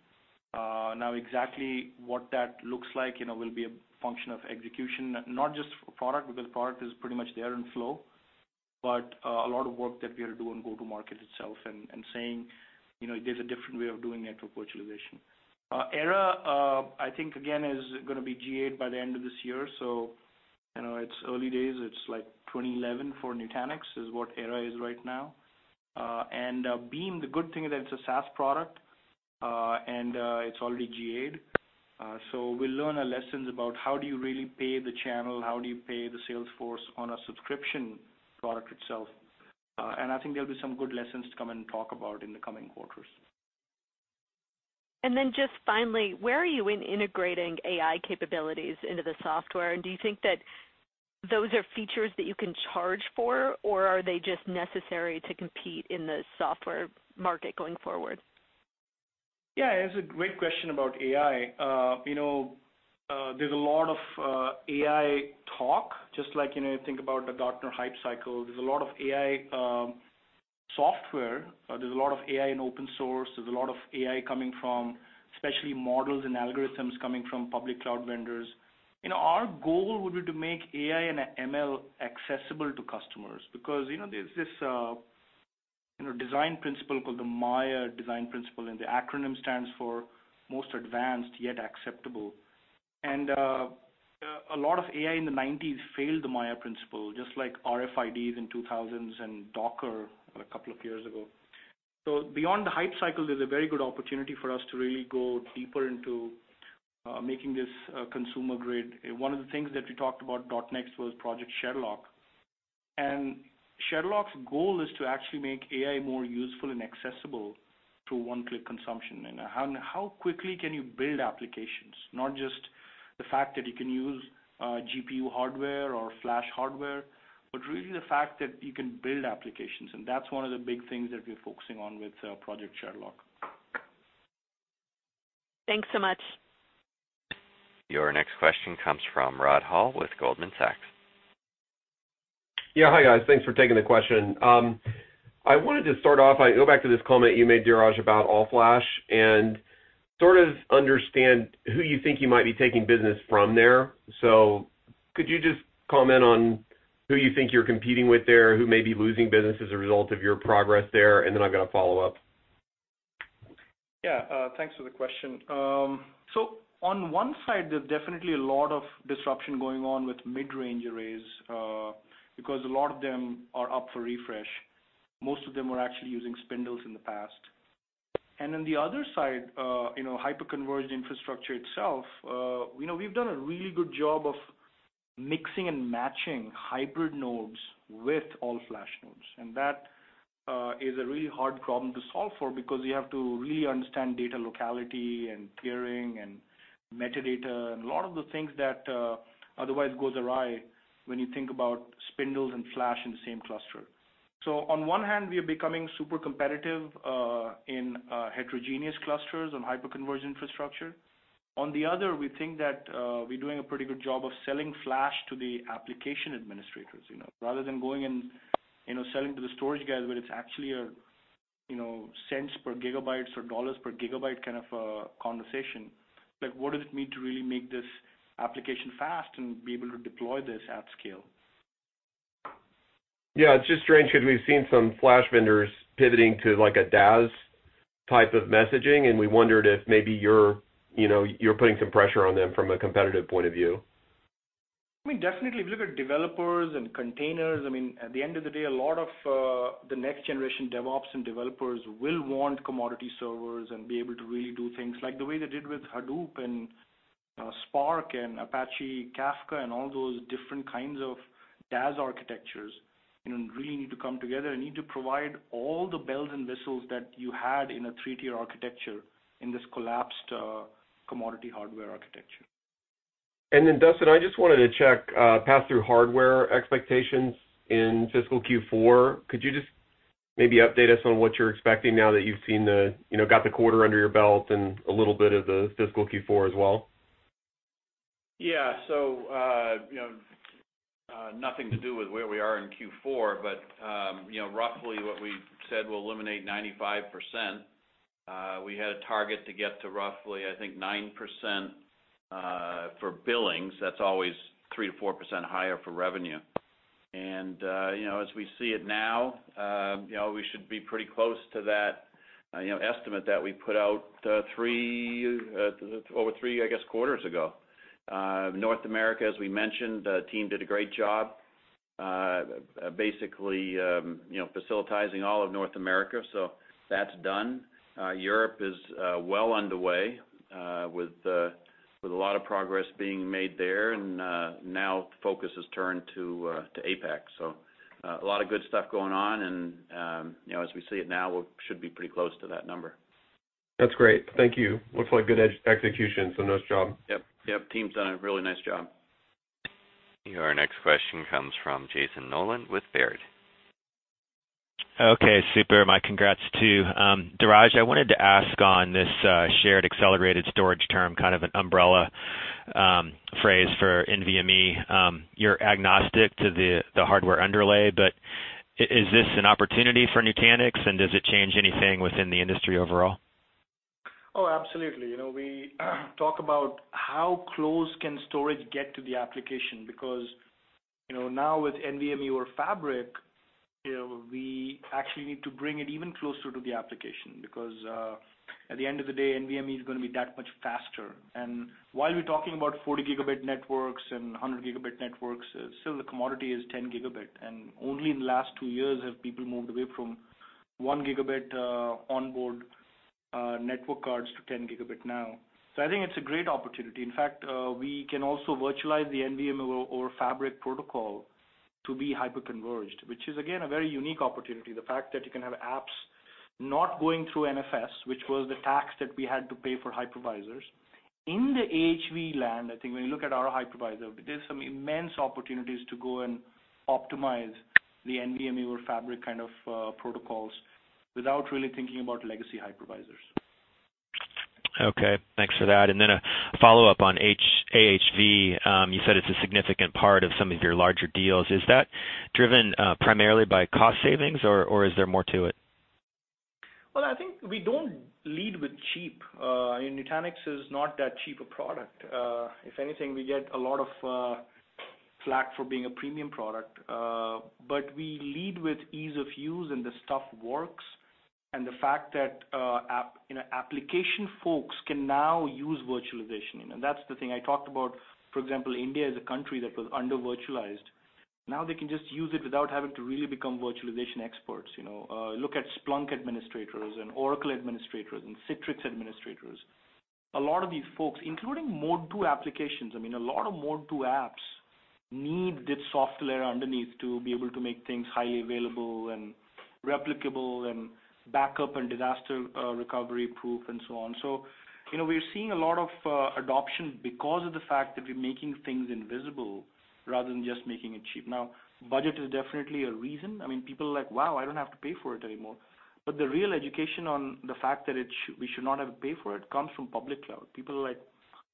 Exactly what that looks like will be a function of execution, not just for product, because product is pretty much there in Flow, but a lot of work that we are doing go-to-market itself and saying there's a different way of doing network virtualization. Era, I think, again, is going to be GA'd by the end of this year. It's early days. It's like 2011 for Nutanix is what Era is right now. Beam, the good thing is that it's a SaaS product. It's already GA'd. We'll learn our lessons about how do you really pay the channel, how do you pay the sales force on a subscription product itself. I think there'll be some good lessons to come and talk about in the coming quarters. Just finally, where are you in integrating AI capabilities into the software? Do you think that those are features that you can charge for, or are they just necessary to compete in the software market going forward? Yeah. It's a great question about AI. There's a lot of AI talk, just like think about the Gartner hype cycle. There's a lot of AI software, there's a lot of AI in open source, there's a lot of AI coming from, especially models and algorithms coming from public cloud vendors. Our goal would be to make AI and ML accessible to customers because there's this design principle called the MAYA design principle, and the acronym stands for Most Advanced Yet Acceptable. A lot of AI in the '90s failed the MAYA principle, just like RFIDs in 2000s and Docker a couple of years ago. Beyond the hype cycle, there's a very good opportunity for us to really go deeper into making this consumer grade. One of the things that we talked about .NEXT was Project Sherlock's goal is to actually make AI more useful and accessible through one-click consumption. How quickly can you build applications, not just the fact that you can use GPU hardware or flash hardware, but really the fact that you can build applications, that's one of the big things that we're focusing on with Project Sherlock. Thanks so much. Your next question comes from Rod Hall with Goldman Sachs. Yeah. Hi, guys. Thanks for taking the question. I wanted to start off by go back to this comment you made, Dheeraj, about all-flash, and sort of understand who you think you might be taking business from there. Could you just comment on who you think you're competing with there, who may be losing business as a result of your progress there? Then I've got a follow-up. Yeah. Thanks for the question. On one side, there's definitely a lot of disruption going on with mid-range arrays, because a lot of them are up for refresh. Most of them were actually using spindles in the past. On the other side, hyperconverged infrastructure itself, we've done a really good job of mixing and matching hybrid nodes with all-flash nodes. That is a really hard problem to solve for, because you have to really understand data locality and tiering and metadata, and a lot of the things that otherwise goes awry when you think about spindles and flash in the same cluster. On one hand, we are becoming super competitive in heterogeneous clusters on hyperconverged infrastructure. On the other, we think that we're doing a pretty good job of selling flash to the application administrators, rather than going and selling to the storage guys, where it's actually a cents per gigabytes or dollars per gigabyte kind of a conversation. What does it mean to really make this application fast and be able to deploy this at scale? It's just strange because we've seen some flash vendors pivoting to like a DAS type of messaging, and we wondered if maybe you're putting some pressure on them from a competitive point of view. I mean, definitely. If you look at developers and containers, I mean, at the end of the day, a lot of the next generation DevOps and developers will want commodity servers and be able to really do things like the way they did with Hadoop and Spark and Apache Kafka and all those different kinds of DAS architectures, and really need to come together and need to provide all the bells and whistles that you had in a three-tier architecture in this collapsed commodity hardware architecture. Duston, I just wanted to check pass-through hardware expectations in fiscal Q4. Could you just maybe update us on what you're expecting now that you've got the quarter under your belt and a little bit of the fiscal Q4 as well? Nothing to do with where we are in Q4, but roughly what we said we'll eliminate 95%. We had a target to get to roughly, I think 9% for billings. That's always 3%-4% higher for revenue. As we see it now, we should be pretty close to that estimate that we put out over three quarters ago. North America, as we mentioned, the team did a great job basically facilitating all of North America. That's done. Europe is well underway with a lot of progress being made there. Now focus has turned to APAC. A lot of good stuff going on and as we see it now, we should be pretty close to that number. That's great. Thank you. Looks like good execution, so nice job. Yep. Team's done a really nice job. Your next question comes from Jayson Noland with Baird. Okay, super. My congrats, too. Dheeraj, I wanted to ask on this shared accelerated storage term, kind of an umbrella phrase for NVMe. You're agnostic to the hardware underlay, but is this an opportunity for Nutanix and does it change anything within the industry overall? Oh, absolutely. We talk about how close can storage get to the application because now with NVMe over Fabrics, we actually need to bring it even closer to the application because at the end of the day, NVMe is going to be that much faster. While we're talking about 40-gigabit networks and 100-gigabit networks, still the commodity is 10 gigabit, and only in the last 2 years have people moved away from 1-gigabit onboard network cards to 10 gigabit now. I think it's a great opportunity. In fact, we can also virtualize the NVMe over Fabrics protocol to be hyperconverged, which is again, a very unique opportunity. The fact that you can have apps not going through NFS, which was the tax that we had to pay for hypervisors. In the AHV land, I think when you look at our hypervisor, there's some immense opportunities to go and optimize the NVMe over Fabrics kind of protocols without really thinking about legacy hypervisors. Okay, thanks for that. Then a follow-up on AHV. You said it's a significant part of some of your larger deals. Is that driven primarily by cost savings or is there more to it? Well, I think we don't lead with cheap. Nutanix is not that cheap a product. If anything, we get a lot of flak for being a premium product. We lead with ease of use, and this stuff works, and the fact that application folks can now use virtualization. That's the thing I talked about, for example, India is a country that was under virtualized. Now they can just use it without having to really become virtualization experts. Look at Splunk administrators and Oracle administrators and Citrix administrators. A lot of these folks, including Mode 2 applications, I mean a lot of Mode 2 apps need this software underneath to be able to make things highly available and replicable and backup and disaster recovery proof and so on. We're seeing a lot of adoption because of the fact that we're making things invisible rather than just making it cheap. Budget is definitely a reason. I mean, people are like, "Wow, I don't have to pay for it anymore." The real education on the fact that we should not have to pay for it comes from public cloud. People are like,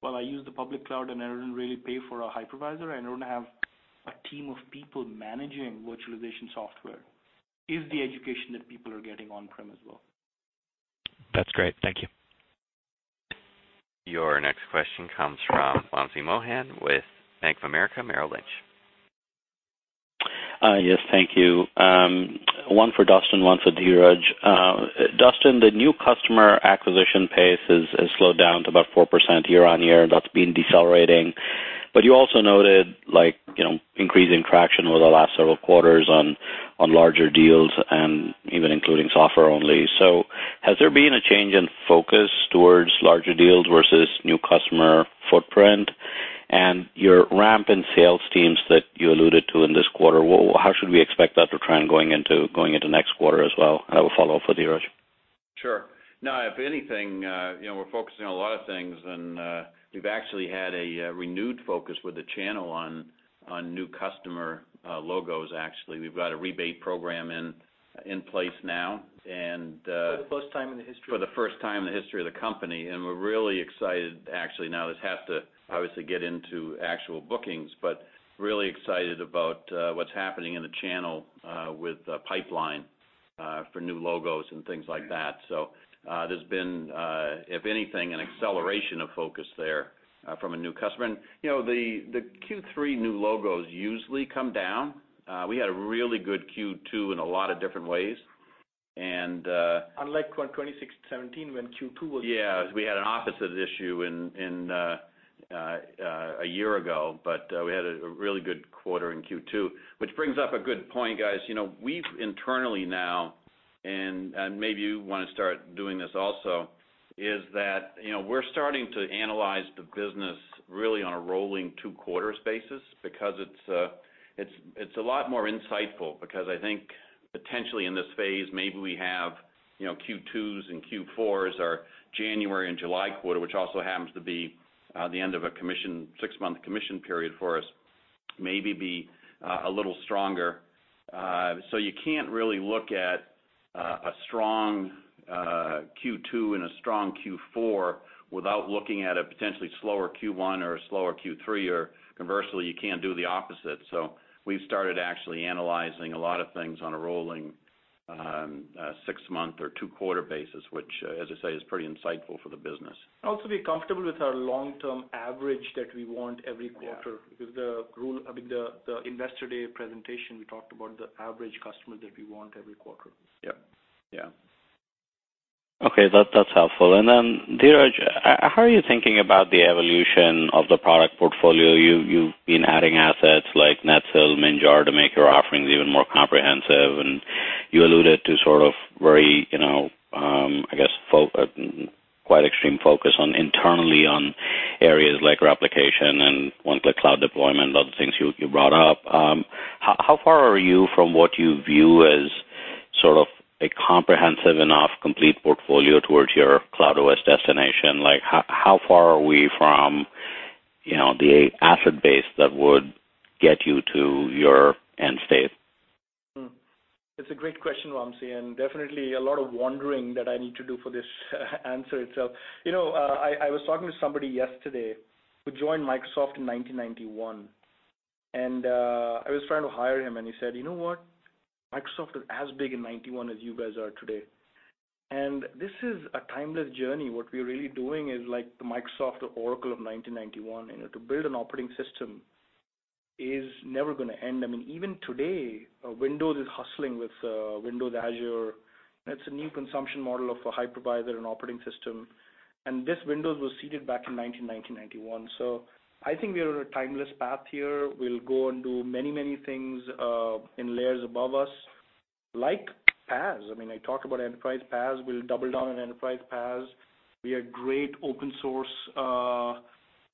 "Well, I use the public cloud, and I don't really pay for a hypervisor. I don't have a team of people managing virtualization software," is the education that people are getting on-prem as well. That's great. Thank you. Your next question comes from Wamsi Mohan with Bank of America Merrill Lynch. Yes, thank you. One for Duston, one for Dheeraj. Duston, the new customer acquisition pace has slowed down to about 4% year-on-year, and that's been decelerating. You also noted increasing traction over the last several quarters on larger deals and even including software only. Has there been a change in focus towards larger deals versus new customer footprint? Your ramp in sales teams that you alluded to in this quarter, how should we expect that to trend going into next quarter as well? I will follow up with Dheeraj. Sure. No, if anything, we're focusing on a lot of things, and we've actually had a renewed focus with the channel on new customer logos, actually. We've got a rebate program in place now and- For the first time in the history for the first time in the history of the company, and we're really excited actually. This has to obviously get into actual bookings, but really excited about what's happening in the channel with pipeline for new logos and things like that. There's been, if anything, an acceleration of focus there from a new customer. The Q3 new logos usually come down. We had a really good Q2 in a lot of different ways, and- Unlike Q1 2017, when Q2 was- Yeah. We had an opposite issue a year ago. We had a really good quarter in Q2. It brings up a good point, guys. We've internally now, and maybe you want to start doing this also, is that we're starting to analyze the business really on a rolling two quarters basis because it's a lot more insightful because I think potentially in this phase, maybe we have Q2s and Q4s, our January and July quarter, which also happens to be the end of a six-month commission period for us, maybe be a little stronger. You can't really look at a strong Q2 and a strong Q4 without looking at a potentially slower Q1 or a slower Q3, or conversely, you can't do the opposite. We've started actually analyzing a lot of things on a rolling six-month or two-quarter basis, which, as I say, is pretty insightful for the business. Be comfortable with our long-term average that we want every quarter. Yeah. The, I mean, the Investor Day presentation, we talked about the average customer that we want every quarter. Yep. Yeah. Okay, that's helpful. Dheeraj, how are you thinking about the evolution of the product portfolio? You've been adding assets like Netsil, Minjar to make your offerings even more comprehensive, and you alluded to sort of very, I guess, quite extreme focus internally on areas like replication and one-click cloud deployment, a lot of things you brought up. How far are you from what you view as sort of a comprehensive enough complete portfolio towards your Cloud OS destination? How far are we from the asset base that would get you to your end state? It's a great question, Wamsi, definitely a lot of wondering that I need to do for this answer itself. I was talking to somebody yesterday who joined Microsoft in 1991, I was trying to hire him, and he said, "You know what? Microsoft was as big in '91 as you guys are today." This is a timeless journey. What we're really doing is like the Microsoft Oracle of 1991, to build an operating system is never going to end. I mean, even today, Windows is hustling with Windows Azure. That's a new consumption model of a hypervisor and operating system. This Windows was seeded back in 1990, '91. I think we are on a timeless path here. We'll go and do many things in layers above us, like PaaS. I mean, I talked about enterprise PaaS. We'll double down on enterprise PaaS. We are great open source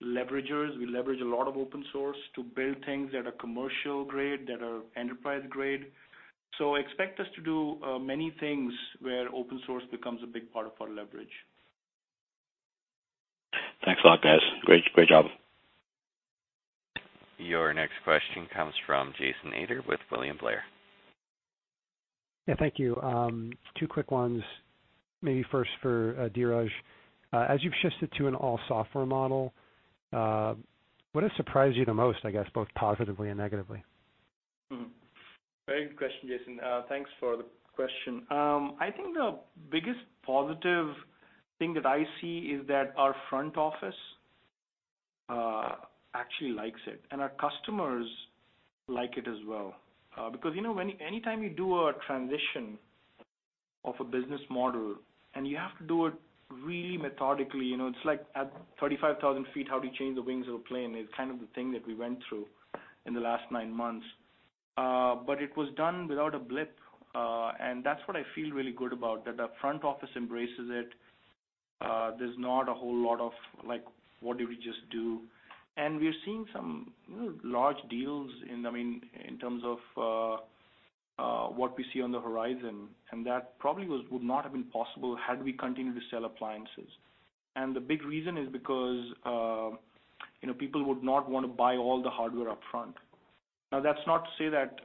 leveragers. We leverage a lot of open source to build things that are commercial grade, that are enterprise grade. Expect us to do many things where open source becomes a big part of our leverage. Thanks a lot, guys. Great job. Your next question comes from Jason Ader with William Blair. Yeah, thank you. Two quick ones, maybe first for Dheeraj. As you've shifted to an all software model, what has surprised you the most, I guess, both positively and negatively? Very good question, Jason. Thanks for the question. I think the biggest positive thing that I see is that our front office actually likes it, and our customers like it as well. Anytime you do a transition of a business model, and you have to do it really methodically. It's like at 35,000 feet, how do you change the wings of a plane, is kind of the thing that we went through in the last nine months. It was done without a blip, and that's what I feel really good about, that the front office embraces it. There's not a whole lot of, like, what did we just do? We're seeing some large deals in terms of what we see on the horizon, and that probably would not have been possible had we continued to sell appliances. The big reason is because people would not want to buy all the hardware up front. Now, that's not to say that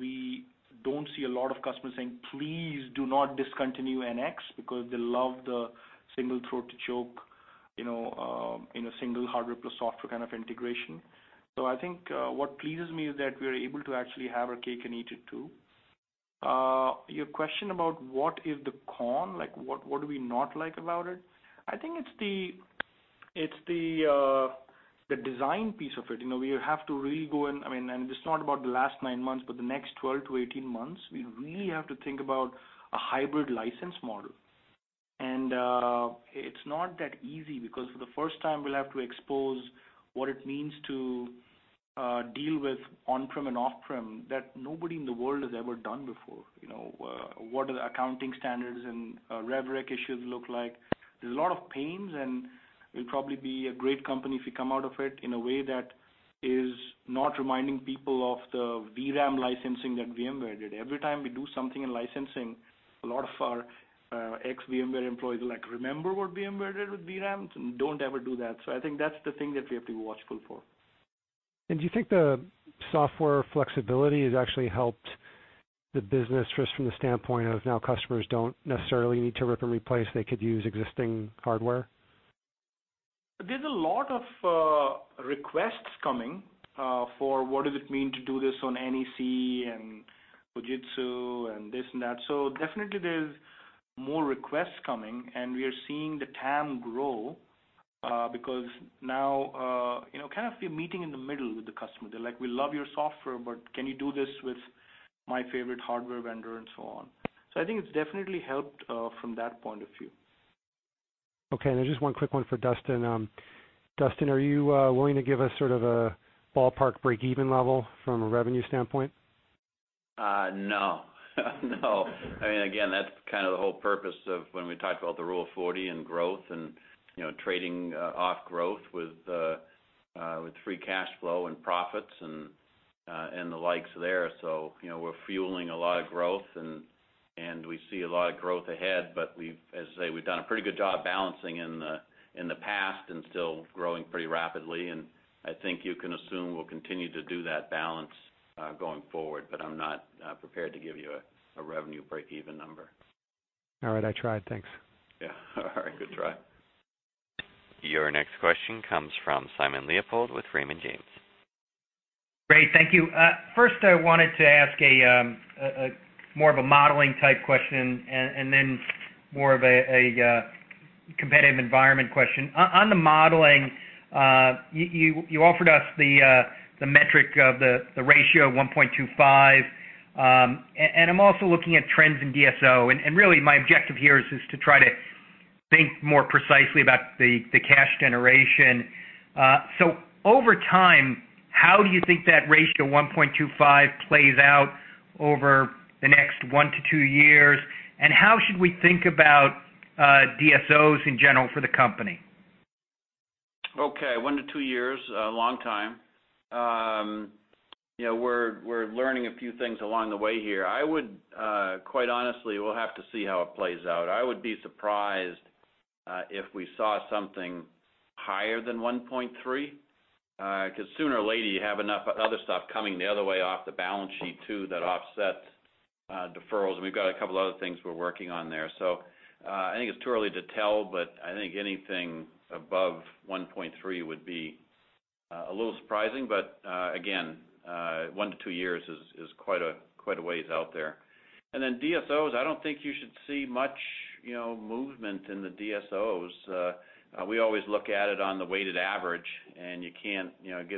we don't see a lot of customers saying, "Please do not discontinue NX," because they love the single throat to choke in a single hardware plus software kind of integration. I think what pleases me is that we are able to actually have our cake and eat it too. Your question about what is the con, like what do we not like about it? I think it's the design piece of it. We have to really go in, and this is not about the last nine months, but the next 12-18 months, we really have to think about a hybrid license model. It's not that easy because for the first time, we'll have to expose what it means to deal with on-prem and off-prem that nobody in the world has ever done before. What do the accounting standards and rev rec issues look like? There's a lot of pains, and we'll probably be a great company if we come out of it in a way that is not reminding people of the vRAM licensing that VMware did. Every time we do something in licensing, a lot of our ex-VMware employees are like, "Remember what VMware did with vRAMs? Don't ever do that." I think that's the thing that we have to be watchful for. Do you think the software flexibility has actually helped the business just from the standpoint of now customers don't necessarily need to rip and replace, they could use existing hardware? There's a lot of requests coming for what does it mean to do this on NEC and Fujitsu and this and that. Definitely there's more requests coming, and we are seeing the TAM grow, because now, kind of meeting in the middle with the customer. They're like, "We love your software, but can you do this with my favorite hardware vendor?" and so on. I think it's definitely helped from that point of view. Okay. Just one quick one for Duston. Duston, are you willing to give us sort of a ballpark breakeven level from a revenue standpoint? No. No. Again, that's kind of the whole purpose of when we talked about the Rule 40 and growth and trading off growth with free cash flow and profits and the likes there. We're fueling a lot of growth, and we see a lot of growth ahead, but as I say, we've done a pretty good job balancing in the past and still growing pretty rapidly. I think you can assume we'll continue to do that balance going forward, but I'm not prepared to give you a revenue breakeven number. All right. I tried. Thanks. Yeah. All right. Good try. Your next question comes from Simon Leopold with Raymond James. Great. Thank you. First, I wanted to ask more of a modeling type question and then more of a competitive environment question. On the modeling, you offered us the metric of the ratio 1.25. I'm also looking at trends in DSO. Really my objective here is just to try to think more precisely about the cash generation. Over time, how do you think that ratio 1.25 plays out over the next one to two years, and how should we think about DSOs in general for the company? Okay. One to two years, a long time. We're learning a few things along the way here. Quite honestly, we'll have to see how it plays out. I would be surprised if we saw something higher than 1.3, because sooner or later, you have enough other stuff coming the other way off the balance sheet too that offsets deferrals, and we've got a couple of other things we're working on there. I think it's too early to tell, but I think anything above 1.3 would be a little surprising. Again, one to two years is quite a ways out there. Then DSOs, I don't think you should see much movement in the DSOs. We always look at it on the weighted average, and you can't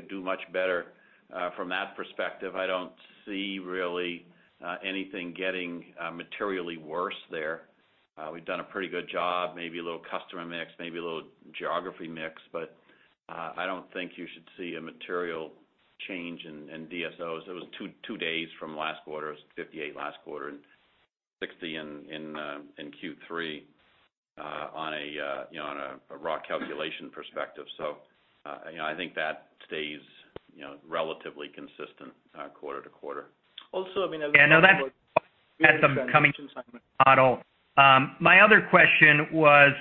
do much better from that perspective. I don't see really anything getting materially worse there. We've done a pretty good job, maybe a little customer mix, maybe a little geography mix, but I don't think you should see a material change in DSOs. It was two days from last quarter. It was 58 last quarter and 60 in Q3 on a raw calculation perspective. I think that stays relatively consistent quarter to quarter. Also, I mean. Yeah, no, that's coming, Simon. My other question was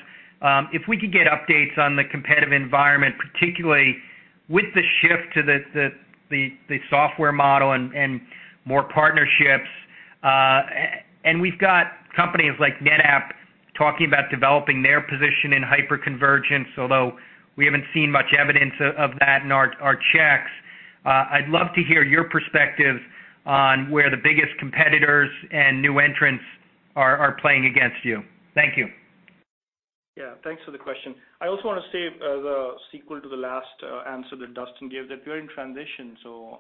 if we could get updates on the competitive environment, particularly with the shift to the software model and more partnerships. We've got companies like NetApp talking about developing their position in hyperconvergence, although we haven't seen much evidence of that in our checks. I'd love to hear your perspective on where the biggest competitors and new entrants are playing against you. Thank you. Yeah. Thanks for the question. I also want to say, the sequel to the last answer that Duston gave, that we're in transition.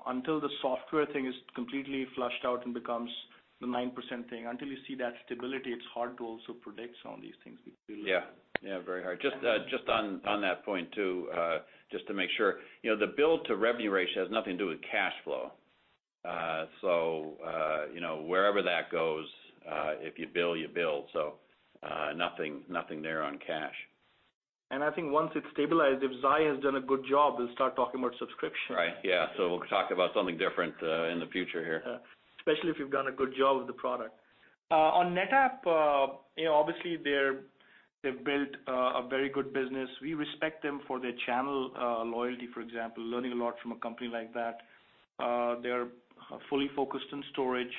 Until the software thing is completely flushed out and becomes the 9% thing, until you see that stability, it's hard to also predict some of these things. Yeah. Very hard. Just on that point too, just to make sure. The bill to revenue ratio has nothing to do with cash flow. Wherever that goes, if you bill, you bill. Nothing there on cash. I think once it's stabilized, if Xi has done a good job, we'll start talking about subscription. Right. Yeah. We'll talk about something different in the future here. Yeah. Especially if you've done a good job with the product. On NetApp, obviously they've built a very good business. We respect them for their channel loyalty, for example, learning a lot from a company like that. They are fully focused on storage.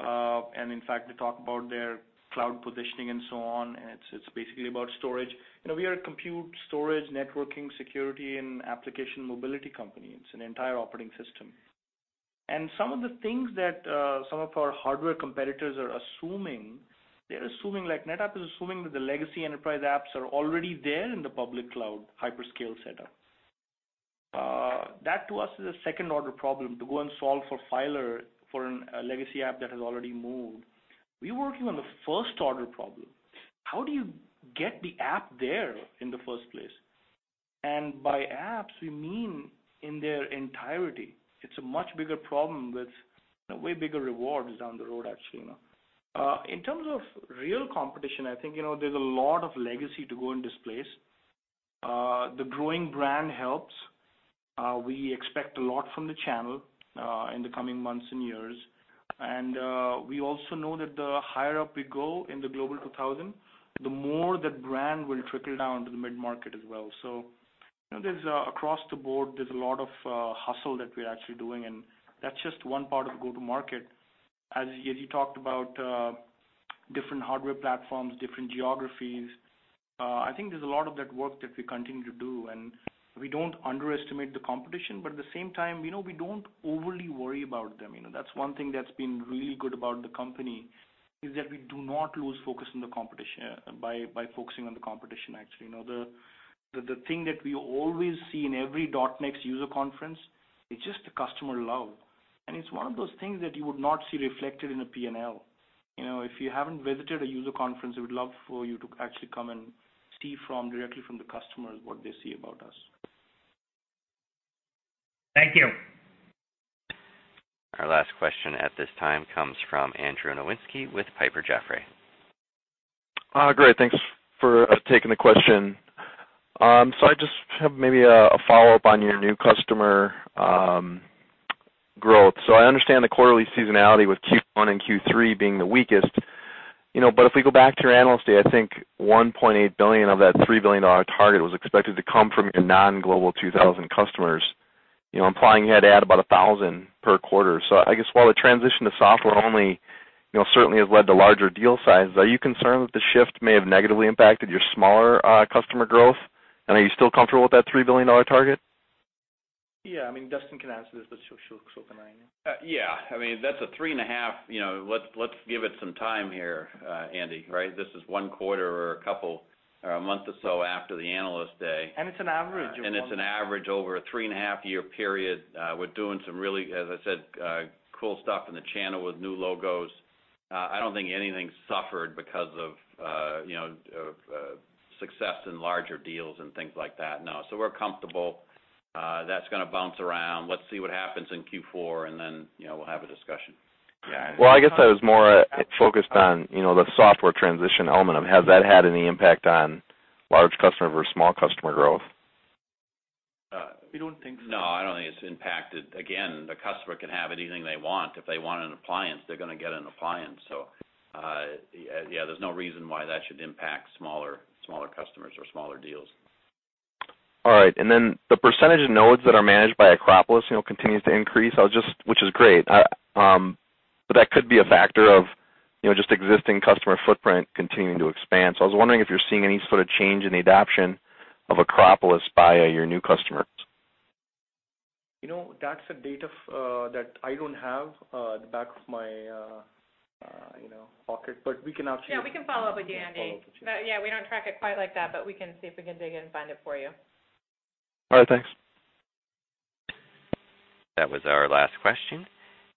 In fact, they talk about their cloud positioning and so on, and it's basically about storage. We are a compute, storage, networking, security, and application mobility company. It's an entire operating system. Some of the things that some of our hardware competitors are assuming, they're assuming like NetApp is assuming that the legacy enterprise apps are already there in the public cloud hyperscale setup. That to us is a second order problem to go and solve for filer for a legacy app that has already moved. We're working on the first order problem. How do you get the app there in the first place? By apps, we mean in their entirety. It's a much bigger problem with way bigger rewards down the road, actually. In terms of real competition, I think, there's a lot of legacy to go and displace. The growing brand helps. We expect a lot from the channel, in the coming months and years. We also know that the higher up we go in the Global 2000, the more that brand will trickle down to the mid-market as well. Across the board, there's a lot of hustle that we're actually doing, and that's just one part of go-to-market. As you talked about different hardware platforms, different geographies, I think there's a lot of that work that we continue to do, and we don't underestimate the competition, but at the same time, we don't overly worry about them. That's one thing that's been really good about the company is that we do not lose focus by focusing on the competition, actually. The thing that we always see in every .NEXT user conference is just the customer love. It's one of those things that you would not see reflected in a P&L. If you haven't visited a user conference, we would love for you to actually come and see directly from the customers what they see about us. Thank you. Our last question at this time comes from Andrew Nowinski with Piper Jaffray. Great. Thanks for taking the question. I just have maybe a follow-up on your new customer growth. I understand the quarterly seasonality with Q1 and Q3 being the weakest, but if we go back to your Analyst Day, I think $1.8 billion of that $3 billion target was expected to come from your non-Global 2000 customers, implying you had to add about 1,000 per quarter. I guess while the transition to software only, certainly has led to larger deal sizes, are you concerned that the shift may have negatively impacted your smaller customer growth? Are you still comfortable with that $3 billion target? Yeah, Duston can answer this, so can I. Yeah. That's a three and a half, let's give it some time here, Andy, right? This is one quarter or a couple or a month or so after the Analyst Day. It's an average. It's an average over a three-and-a-half-year period. We're doing some really, as I said, cool stuff in the channel with new logos. I don't think anything suffered because of success in larger deals and things like that. No. We're comfortable. That's going to bounce around. Let's see what happens in Q4, we'll have a discussion. Well, I guess I was more focused on the software transition element of it. Has that had any impact on large customer versus small customer growth? We don't think so. I don't think it's impacted. Again, the customer can have anything they want. If they want an appliance, they're going to get an appliance. Yeah, there's no reason why that should impact smaller customers or smaller deals. All right. The percentage of nodes that are managed by Acropolis continues to increase, which is great. That could be a factor of just existing customer footprint continuing to expand. I was wondering if you're seeing any sort of change in the adoption of Acropolis by your new customers. That's a data that I don't have, at the back of my pocket, but we can actually. Yeah, we can follow up with you, Andy. follow up with you. Yeah. We don't track it quite like that, but we can see if we can dig in and find it for you. All right. Thanks. That was our last question.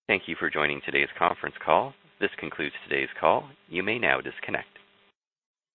Thank you for joining today's conference call. This concludes today's call. You may now disconnect.